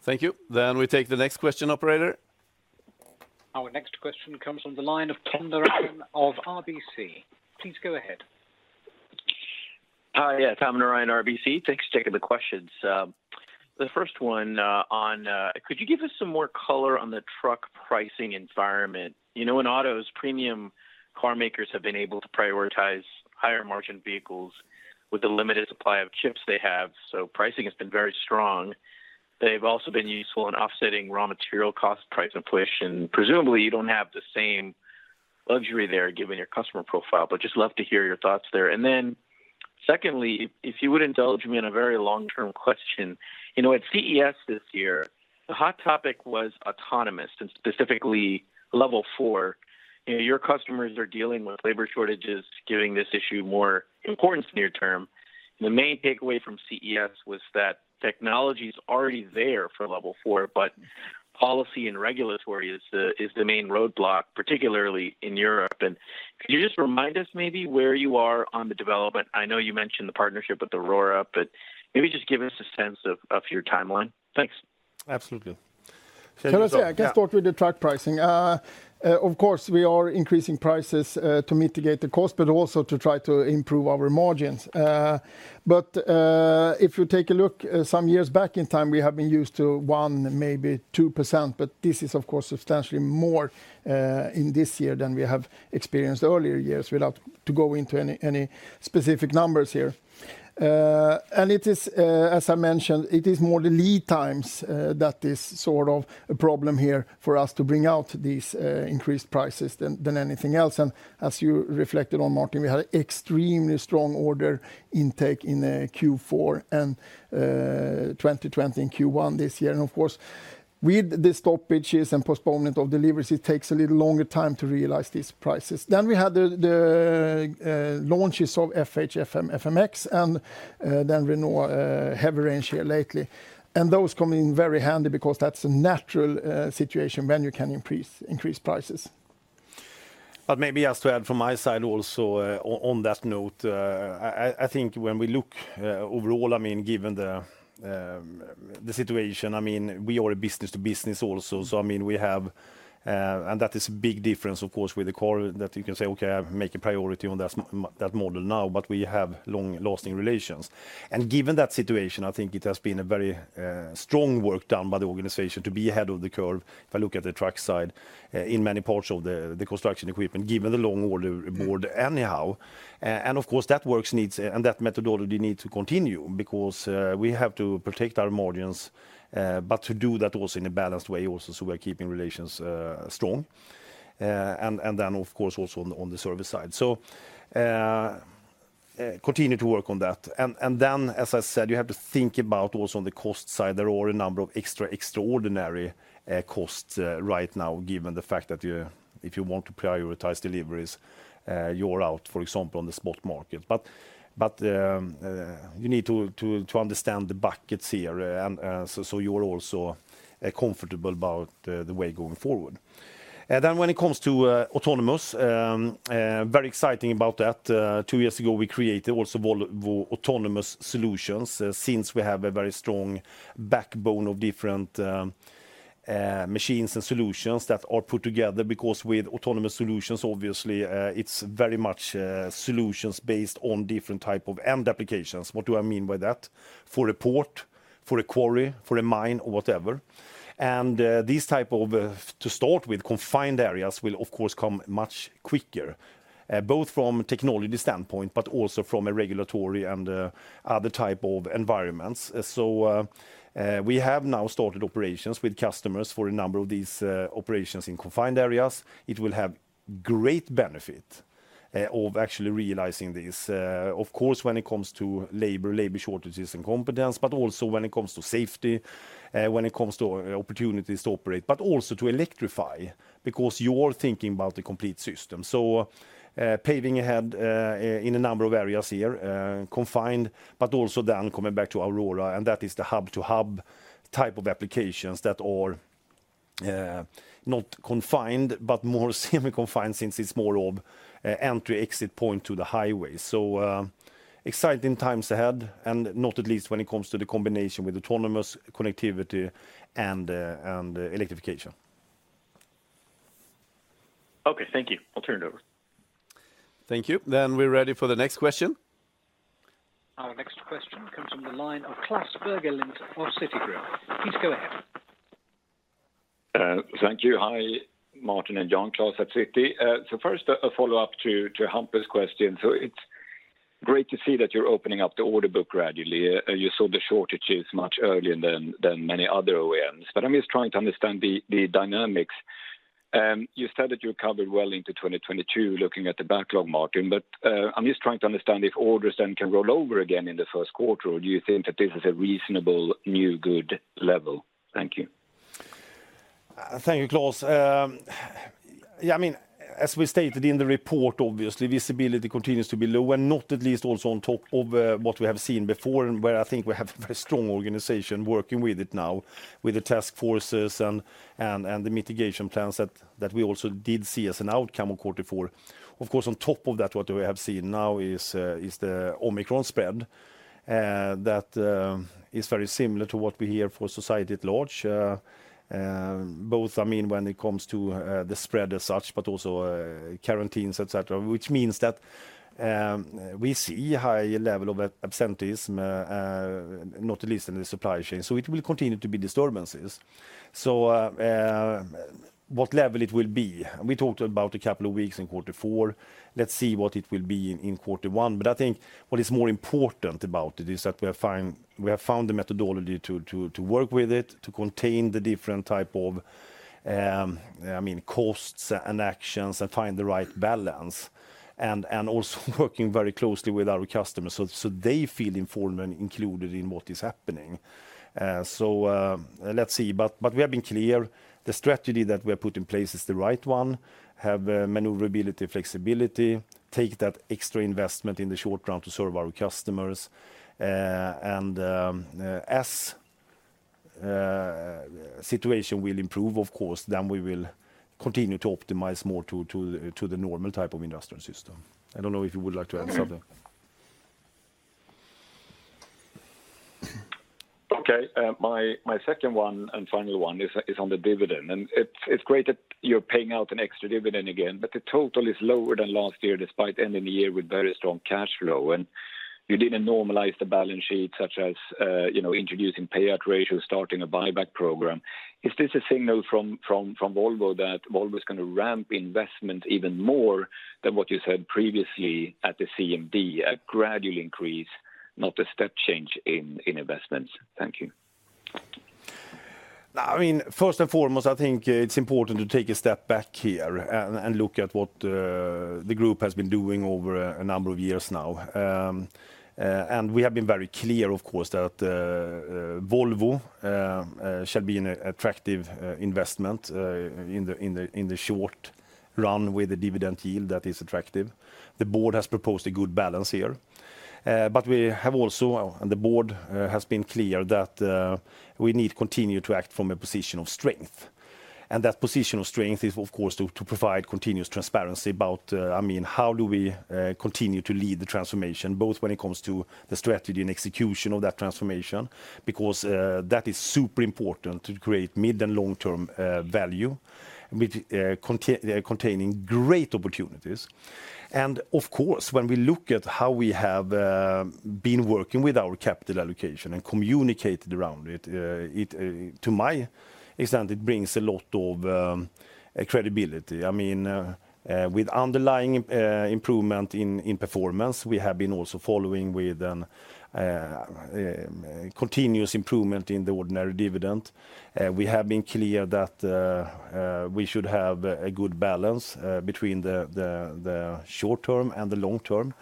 Thank you. We take the next question, operator. Our next question comes from the line of Tom Narayan of RBC. Please go ahead. Hi. Yeah, Tom Narayan, RBC. Thanks for taking the questions. The first one, on, could you give us some more color on the truck pricing environment? You know, in autos, premium car makers have been able to prioritize higher-margin vehicles with the limited supply of chips they have, so pricing has been very strong. They've also been useful in offsetting raw material cost price inflation. Presumably, you don't have the same luxury there, given your customer profile, but just love to hear your thoughts there. Then secondly, if you would indulge me in a very long-term question. You know, at CES this year, the hot topic was autonomous, and specifically Level 4. You know, your customers are dealing with labor shortages, giving this issue more importance near term. The main takeaway from CES was that technology's already there for Level 4, but policy and regulatory is the main roadblock, particularly in Europe. Could you just remind us maybe where you are on the development? I know you mentioned the partnership with Aurora, but maybe just give us a sense of your timeline. Thanks. Absolutely. Can I say? Yeah. I can start with the truck pricing. Of course, we are increasing prices to mitigate the cost, but also to try to improve our margins. If you take a look some years back in time, we have been used to 1%, maybe 2%, but this is of course substantially more in this year than we have experienced earlier years, without to go into any specific numbers here. As I mentioned, it is more the lead times that is sort of a problem here for us to bring out these increased prices than anything else. As you reflected on, Martin, we had extremely strong order intake in Q4 and 2020 in Q1 this year. Of course, with the stoppages and postponement of deliveries, it takes a little longer time to realize these prices. We had launches of FH, FM, FMX, and then Renault heavy range here lately. Those come in very handy because that's a natural situation when you can increase prices. Maybe just to add from my side also, on that note, I think when we look overall, I mean, given the situation, I mean, we are a business to business also. So I mean, we have, and that is a big difference of course with the car that you can say, "Okay, I make a priority on that model now," but we have long lasting relations. Given that situation, I think it has been a very strong work done by the organization to be ahead of the curve, if I look at the truck side, in many parts of the construction equipment, given the long order book anyhow. Of course, that work needs to continue because we have to protect our margins, but to do that in a balanced way, so we're keeping relations strong. On the service side, continue to work on that. As I said, you have to think about also on the cost side, there are a number of extraordinary costs right now, given the fact that if you want to prioritize deliveries, you're out, for example, on the spot market. You need to understand the buckets here, so you're also comfortable about the way going forward. When it comes to autonomous, very exciting about that. Two years ago, we created also Volvo Autonomous Solutions. Since we have a very strong backbone of different machines and solutions that are put together because with autonomous solutions, obviously, it's very much solutions based on different type of end applications. What do I mean by that? For a port, for a quarry, for a mine or whatever. These type of, to start with, confined areas will of course come much quicker both from technology standpoint, but also from a regulatory and other type of environments. We have now started operations with customers for a number of these operations in confined areas. It will have great benefit of actually realizing this. Of course, when it comes to labor shortages and competence, but also when it comes to safety, when it comes to opportunities to operate, but also to electrify because you're thinking about the complete system. Paving ahead in a number of areas here, confined, but also then coming back to Aurora, and that is the hub-to-hub type of applications that are not confined, but more semi-confined since it's more of an entry/exit point to the highway. Exciting times ahead, and not at least when it comes to the combination with autonomous connectivity and electrification. Okay, thank you. I'll turn it over. Thank you. We're ready for the next question. Our next question comes from the line of Klas Bergelind of Citigroup. Please go ahead. Thank you. Hi, Martin and Jan. Klas at Citi. First, a follow-up to Hampus Engellau's question. It's great to see that you're opening up the order book gradually. You saw the shortages much earlier than many other OEMs. I'm just trying to understand the dynamics. You said that you recovered well into 2022 looking at the backlog, Martin. I'm just trying to understand if orders then can roll over again in the first quarter, or do you think that this is a reasonable new good level? Thank you. Thank you, Klas. Yeah, I mean, as we stated in the report, obviously, visibility continues to be low, and not least also on top of what we have seen before, and where I think we have a very strong organization working with it now, with the task forces and the mitigation plans that we also did see as an outcome of quarter four. Of course, on top of that, what we have seen now is the Omicron spread that is very similar to what we hear for society at large. Both, I mean, when it comes to the spread as such, but also quarantines, et cetera, which means that we see high level of absenteeism, not least in the supply chain. It will continue to be disturbances. What level it will be? We talked about a couple of weeks in quarter four. Let's see what it will be in quarter one. I think what is more important about it is that we have found the methodology to work with it, to contain the different type of, I mean, costs and actions and find the right balance. And also working very closely with our customers, so they feel informed and included in what is happening. Let's see. We have been clear, the strategy that we have put in place is the right one. Have maneuverability, flexibility, take that extra investment in the short run to serve our customers. As the situation will improve, of course, then we will continue to optimize more to the normal type of industrial system. I don't know if you would like to add something. Okay. My second one and final one is on the dividend. It's great that you're paying out an extra dividend again, but the total is lower than last year, despite ending the year with very strong cash flow. You didn't normalize the balance sheet such as, you know, introducing payout ratio, starting a buyback program. Is this a signal from Volvo that Volvo's gonna ramp investment even more than what you said previously at the CMD, a gradual increase, not a step change in investments? Thank you. I mean, first and foremost, I think it's important to take a step back here and look at what the group has been doing over a number of years now. We have been very clear, of course, that Volvo shall be an attractive investment in the short run with a dividend yield that is attractive. The board has proposed a good balance here. We have also and the board has been clear that we need to continue to act from a position of strength. That position of strength is, of course, to provide continuous transparency about, I mean, how do we continue to lead the transformation, both when it comes to the strategy and execution of that transformation, because that is super important to create mid- and long-term value, which containing great opportunities. Of course, when we look at how we have been working with our capital allocation and communicated around it, to my extent, it brings a lot of credibility. I mean, with underlying improvement in performance, we have been also following with a continuous improvement in the ordinary dividend. We have been clear that we should have a good balance between the short term and the long term.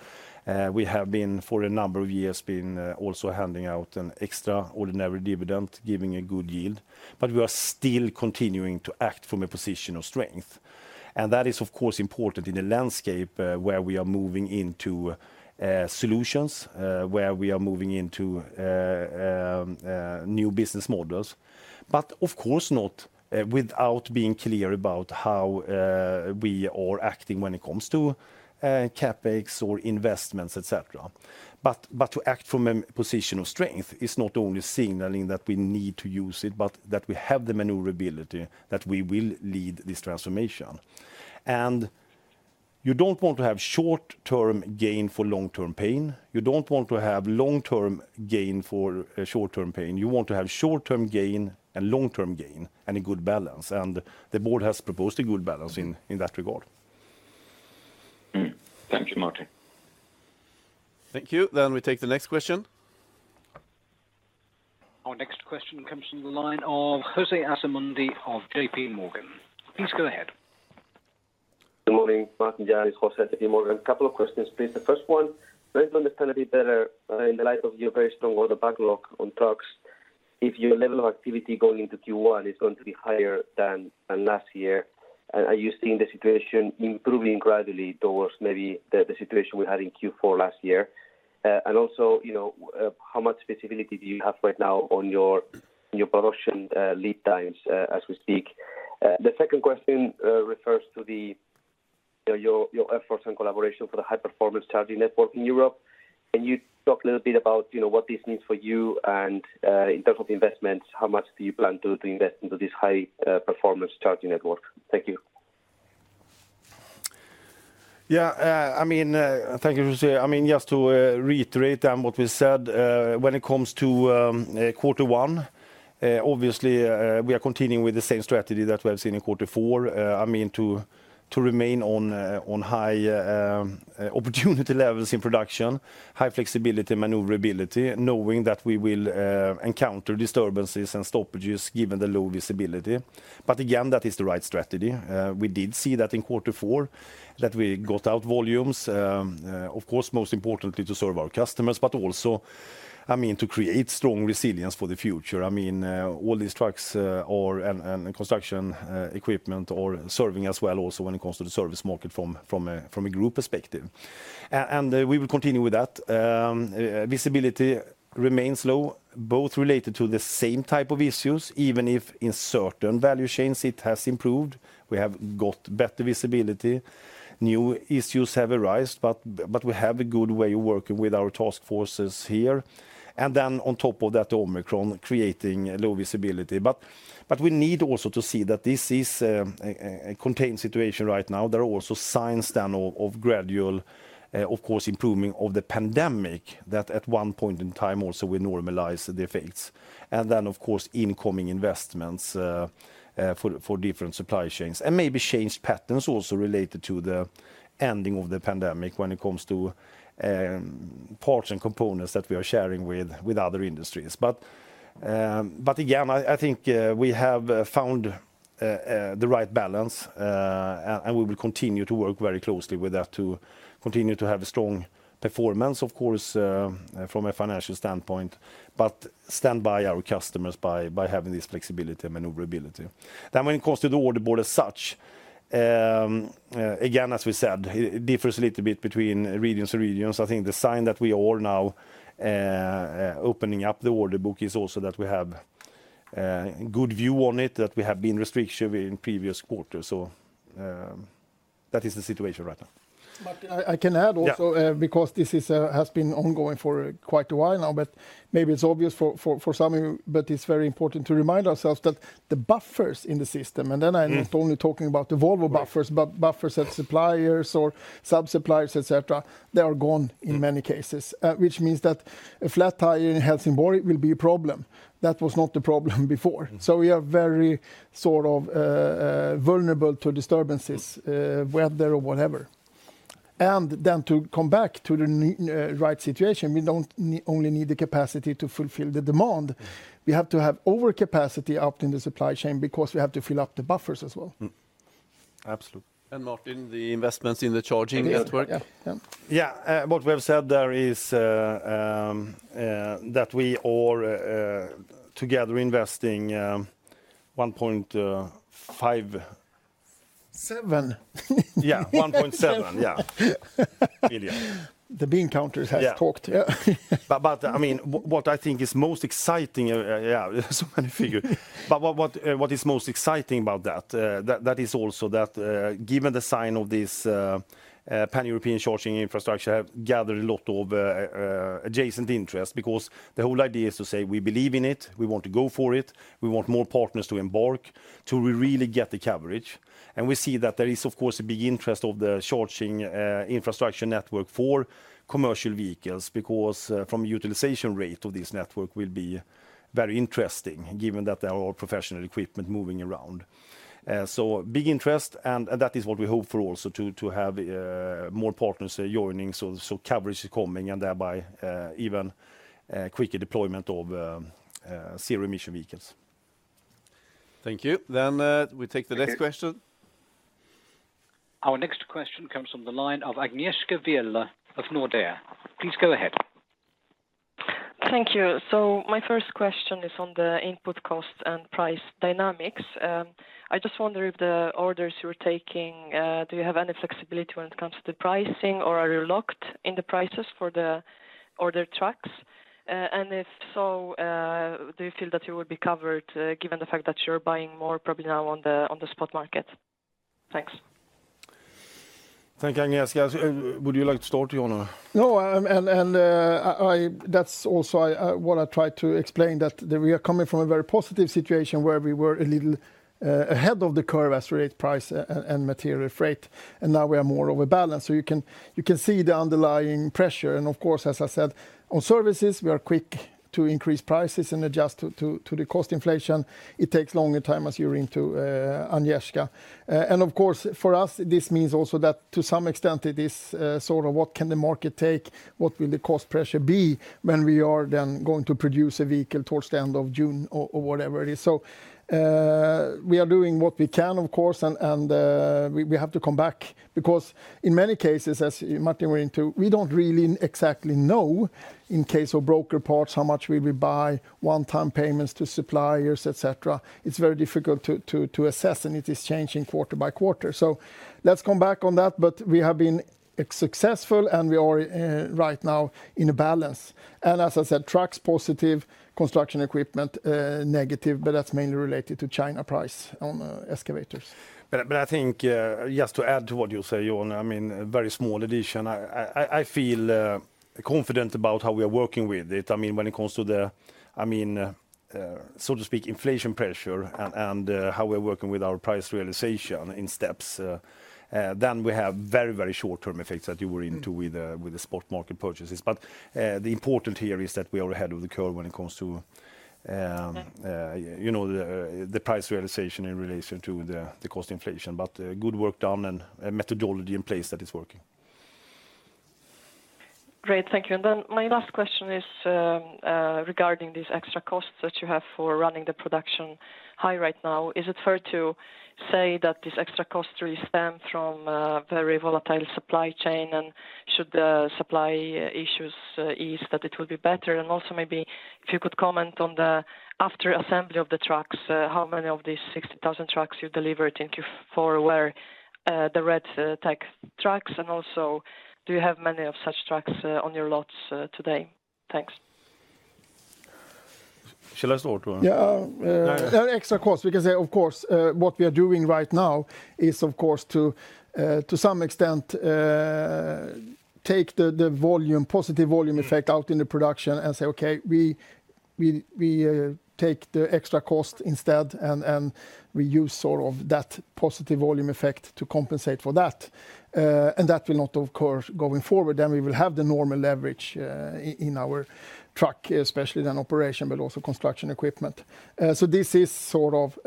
We have been for a number of years also handing out an extraordinary dividend, giving a good yield. We are still continuing to act from a position of strength. That is, of course, important in a landscape where we are moving into solutions where we are moving into new business models. Of course not without being clear about how we are acting when it comes to CapEx or investments, et cetera. To act from a position of strength is not only signaling that we need to use it, but that we have the maneuverability, that we will lead this transformation. You don't want to have short-term gain for long-term pain. You don't want to have long-term gain for short-term pain. You want to have short-term gain and long-term gain and a good balance, and the board has proposed a good balance in that regard. Thank you, Martin. Thank you. We take the next question. Our next question comes from the line of José Asumendi of J.P. Morgan. Please go ahead. Good morning, Martin, Jan. José Asumendi of J.P. Morgan. A couple of questions, please. The first one, trying to understand a bit better, in the light of your very strong order backlog on trucks, if your level of activity going into Q1 is going to be higher than last year, are you seeing the situation improving gradually towards maybe the situation we had in Q4 last year? And also, you know, how much visibility do you have right now on your production lead times as we speak? The second question refers to, you know, your efforts and collaboration for the high performance charging network in Europe. Can you talk a little bit about, you know, what this means for you and, in terms of investments, how much do you plan to invest into this high, performance charging network? Thank you. Yeah, I mean, thank you, José. I mean, just to reiterate what we said when it comes to quarter one, obviously we are continuing with the same strategy that we have seen in quarter four. I mean, to remain on high opportunity levels in production, high flexibility, maneuverability, knowing that we will encounter disturbances and stoppages given the low visibility. Again, that is the right strategy. We did see that in quarter four, that we got out volumes. Of course, most importantly to serve our customers, but also, I mean, to create strong resilience for the future. I mean, all these trucks and construction equipment are serving as well also when it comes to the service market from a group perspective. We will continue with that. Visibility remains low, both related to the same type of issues, even if in certain value chains it has improved. We have got better visibility. New issues have arisen, but we have a good way of working with our task forces here. On top of that, Omicron creating low visibility. We need also to see that this is a contained situation right now. There are also signs of gradual, of course, improving of the pandemic, that at one point in time also will normalize the effects. Of course, incoming investments for different supply chains, and maybe change patterns also related to the ending of the pandemic when it comes to parts and components that we are sharing with other industries. Again, I think we have found the right balance, and we will continue to work very closely with that to continue to have a strong performance, of course, from a financial standpoint, but stand by our customers by having this flexibility and maneuverability. When it comes to the order board as such, again, as we said, it differs a little bit between regions to regions. I think the sign that we are now opening up the order book is also that we have good view on it, that we have been restrictive in previous quarters. That is the situation right now. Martin, I can add also. Yeah Because this is has been ongoing for quite a while now, but maybe it's obvious for some of you, but it's very important to remind ourselves that the buffers in the system, and then I'm not only talking about the Volvo buffers. Mm-hmm Buffers of suppliers or sub-suppliers, et cetera, they are gone in many cases. Which means that a flat tire in Helsingborg will be a problem. That was not the problem before. Mm. We are very, sort of, vulnerable to disturbances, weather or whatever. To come back to the right situation, we don't only need the capacity to fulfill the demand. We have to have over capacity out in the supply chain because we have to fill up the buffers as well. Absolutely. Martin, the investments in the charging network? Yeah. Yeah. Yeah. Yeah, what we have said there is that we are together investing 1.5- 7. Yeah, 1.7. Yeah. Yeah. Billion. The bean counters have talked. Yeah. Yeah. I mean, what I think is most exciting about that is also that, given the size of this pan-European charging infrastructure has garnered a lot of interest because the whole idea is to say we believe in it, we want to go for it, we want more partners to embark till we really get the coverage. We see that there is of course a big interest in the charging infrastructure network for commercial vehicles because the utilization rate of this network will be very interesting given that they are all professional equipment moving around. Big interest and that is what we hope for also to have more partners joining, so coverage is coming and thereby even quicker deployment of zero-emission vehicles. Thank you. We take the next question. Our next question comes from the line of Agnieszka Vilela of Nordea. Please go ahead. Thank you. My first question is on the input cost and price dynamics. I just wonder if the orders you are taking, do you have any flexibility when it comes to the pricing or are you locked in the prices for the ordered trucks? And if so, do you feel that you will be covered, given the fact that you're buying more probably now on the spot market? Thanks. Thank you, Agnieszka. Would you like to start, Jan? No. That's also what I tried to explain, that we are coming from a very positive situation where we were a little Ahead of the curve as regards price and material freight, and now we are more overbalanced. You can see the underlying pressure. Of course, as I said, on services, we are quick to increase prices and adjust to the cost inflation. It takes longer time, as you, Agnieszka. Of course, for us, this means also that to some extent it is sort of, what can the market take? What will the cost pressure be when we are then going to produce a vehicle towards the end of June or whatever it is? We are doing what we can, of course, and we have to come back. Because in many cases, as Martin went into, we don't really exactly know in case of broker parts, how much will we buy, one-time payments to suppliers, et cetera. It's very difficult to assess, and it is changing quarter by quarter. Let's come back on that. We have been successful, and we are right now in a balance. As I said, Trucks positive, Construction Equipment negative, but that's mainly related to China prices on excavators. I think just to add to what you say, Jan Ytterberg, I mean, a very small addition. I feel confident about how we are working with it. I mean, when it comes to, so to speak, inflation pressure and how we're working with our price realization in steps, then we have very short-term effects that you went into with the spot market purchases. The important here is that we are ahead of the curve when it comes to, you know, the price realization in relation to the cost inflation. Good work done and a methodology in place that is working. Great. Thank you. My last question is regarding these extra costs that you have for running the production high right now. Is it fair to say that this extra cost really stem from very volatile supply chain? Should the supply issues ease, that it will be better? Also, maybe if you could comment on the after assembly of the trucks, how many of these 60,000 trucks you delivered in Q4 were the reworked trucks? Also, do you have many of such trucks on your lots today? Thanks. Shall I start, Martin? Yeah. No, no. There are extra costs, we can say, of course. What we are doing right now is, of course, to some extent, take the volume, positive volume effect out in the production and say, "Okay, we take the extra cost instead, and we use sort of that positive volume effect to compensate for that." That will not, of course, going forward. Then we will have the normal leverage in our Truck operations, but also Construction Equipment. This is sort of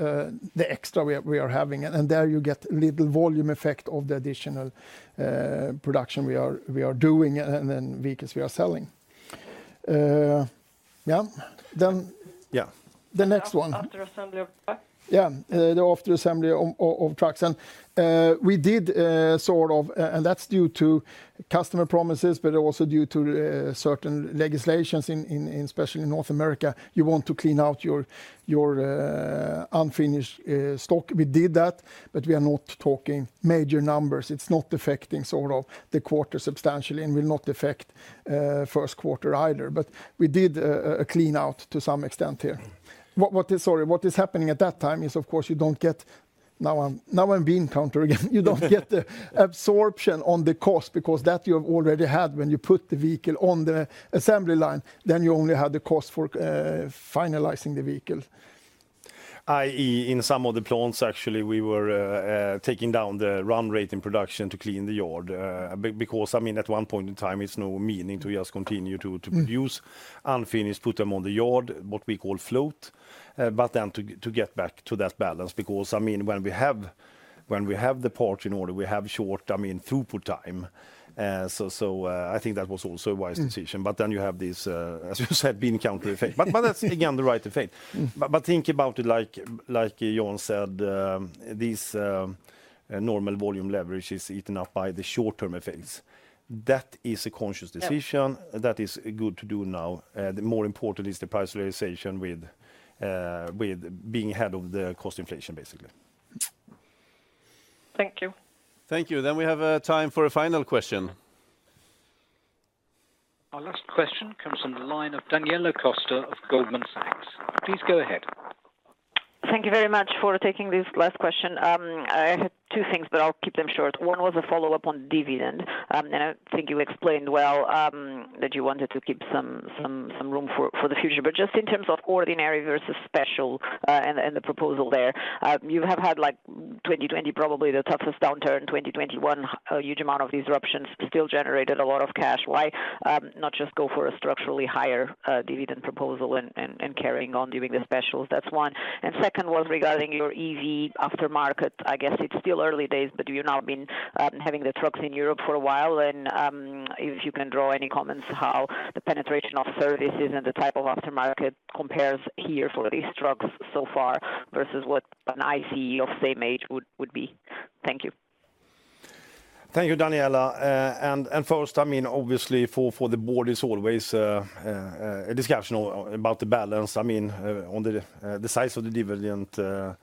the extra we are having. There you get little volume effect of the additional production we are doing and then vehicles we are selling. Yeah. The next one. After assembly of trucks? Yeah, the after assembly of trucks. We did sort of and that's due to customer promises, but also due to certain legislations in specially North America. You want to clean out your unfinished stock. We did that, but we are not talking major numbers. It's not affecting sort of the quarter substantially and will not affect first quarter either. We did a clean out to some extent here. What is... Sorry, what is happening at that time is, of course, you don't get. Now I'm bean counter again. You don't get the absorption on the cost because that you have already had when you put the vehicle on the assembly line, then you only have the cost for finalizing the vehicle. I.e., in some of the plants, actually, we were taking down the run rate in production to clean the yard. Because, I mean, at one point in time, it's no meaning to just continue to produce. Mm-hmm. Unfinished, put them on the yard, what we call float. To get back to that balance, because, I mean, when we have the parts in order, we have short, I mean, throughput time. I think that was also a wise decision. You have this, as you said, bean counter effect. That's, again, the right effect. Think about it like Jan Ytterberg said, this normal volume leverage is eaten up by the short-term effects. That is a conscious decision. Yeah. That is good to do now. The more important is the price realization with being ahead of the cost inflation, basically. Thank you. Thank you. We have time for a final question. Our last question comes from the line of Daniela Costa of Goldman Sachs. Please go ahead. Thank you very much for taking this last question. I had two things, but I'll keep them short. One was a follow-up on dividend. I think you explained well that you wanted to keep some room for the future. Just in terms of ordinary versus special and the proposal there, you have had like 2020, probably the toughest downturn, 2021, a huge amount of disruptions still generated a lot of cash. Why not just go for a structurally higher dividend proposal and carrying on doing the specials? That's one. Second one regarding your EV aftermarket, I guess it's still early days, but you've now been having the trucks in Europe for a while. If you can draw any comments how the penetration of services and the type of aftermarket compares here for these trucks so far versus what an ICE of same age would be? Thank you. Thank you, Daniela. First, I mean, obviously for the board, it's always a discussion about the balance. I mean, on the size of the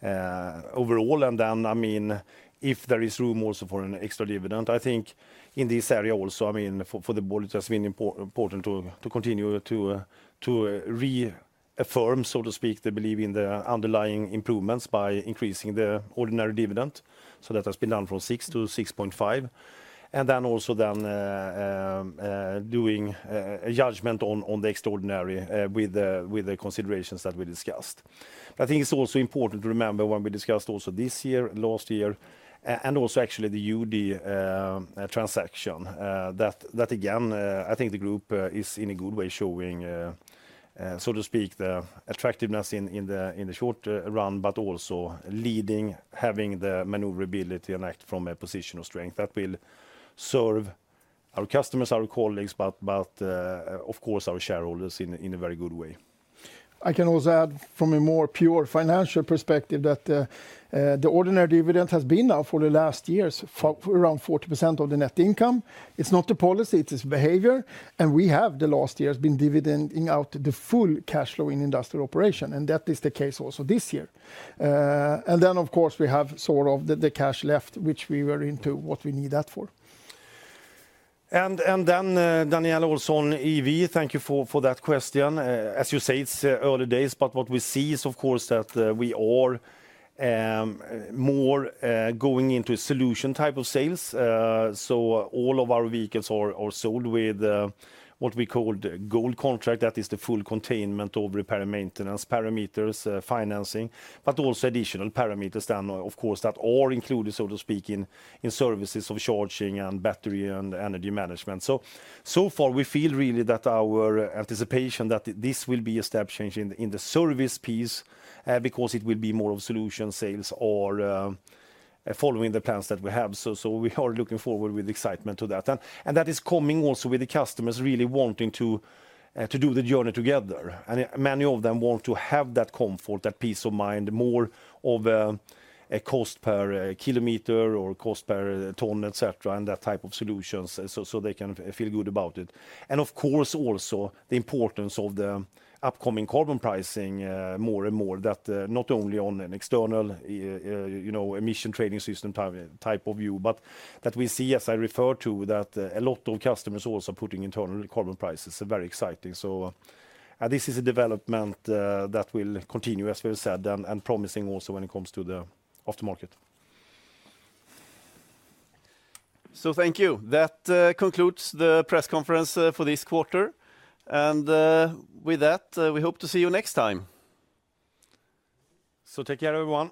dividend overall. I mean, if there is room also for an extra dividend. I think in this area also, I mean, for the board, it has been important to continue to re- affirm, so to speak, the belief in the underlying improvements by increasing the ordinary dividend. That has been done from 6 to 6.5. Then also doing a judgment on the extraordinary with the considerations that we discussed. But I think it's also important to remember when we discussed also this year, last year, and also actually the UD transaction, that again I think the group is in a good way showing, so to speak, the attractiveness in the short term, but also leading, having the maneuverability and act from a position of strength that will serve our customers, our colleagues, but of course our shareholders in a very good way. I can also add from a more pure financial perspective that the ordinary dividend has been now for the last years for around 40% of the net income. It's not a policy, it's behavior, and we have the last years been dividending out the full cash flow in industrial operation, and that is the case also this year. Of course, we have sort of the cash left, which we use for what we need it for. Danielle also on EV, thank you for that question. As you say, it's early days, but what we see is of course that we are more going into solution type of sales. All of our vehicles are sold with what we call the Gold Contract. That is the full containment of repair and maintenance parameters, financing. Also additional parameters then of course that all included, so to speak, in services of charging and battery and energy management. So far we feel really that our anticipation that this will be a step change in the service piece because it will be more of solution sales or following the plans that we have. We are looking forward with excitement to that. That is coming also with the customers really wanting to do the journey together. Many of them want to have that comfort, that peace of mind, more of a cost per kilometer or cost per ton, et cetera, and that type of solutions, so they can feel good about it. Of course, also the importance of the upcoming carbon pricing, more and more, not only on an external you know, Emissions Trading System type of view, but that we see, as I refer to, that a lot of customers also putting internal carbon prices are very exciting. This is a development that will continue, as we've said, and promising also when it comes to the after market. Thank you. That concludes the press conference for this quarter. With that, we hope toTake care, everyone.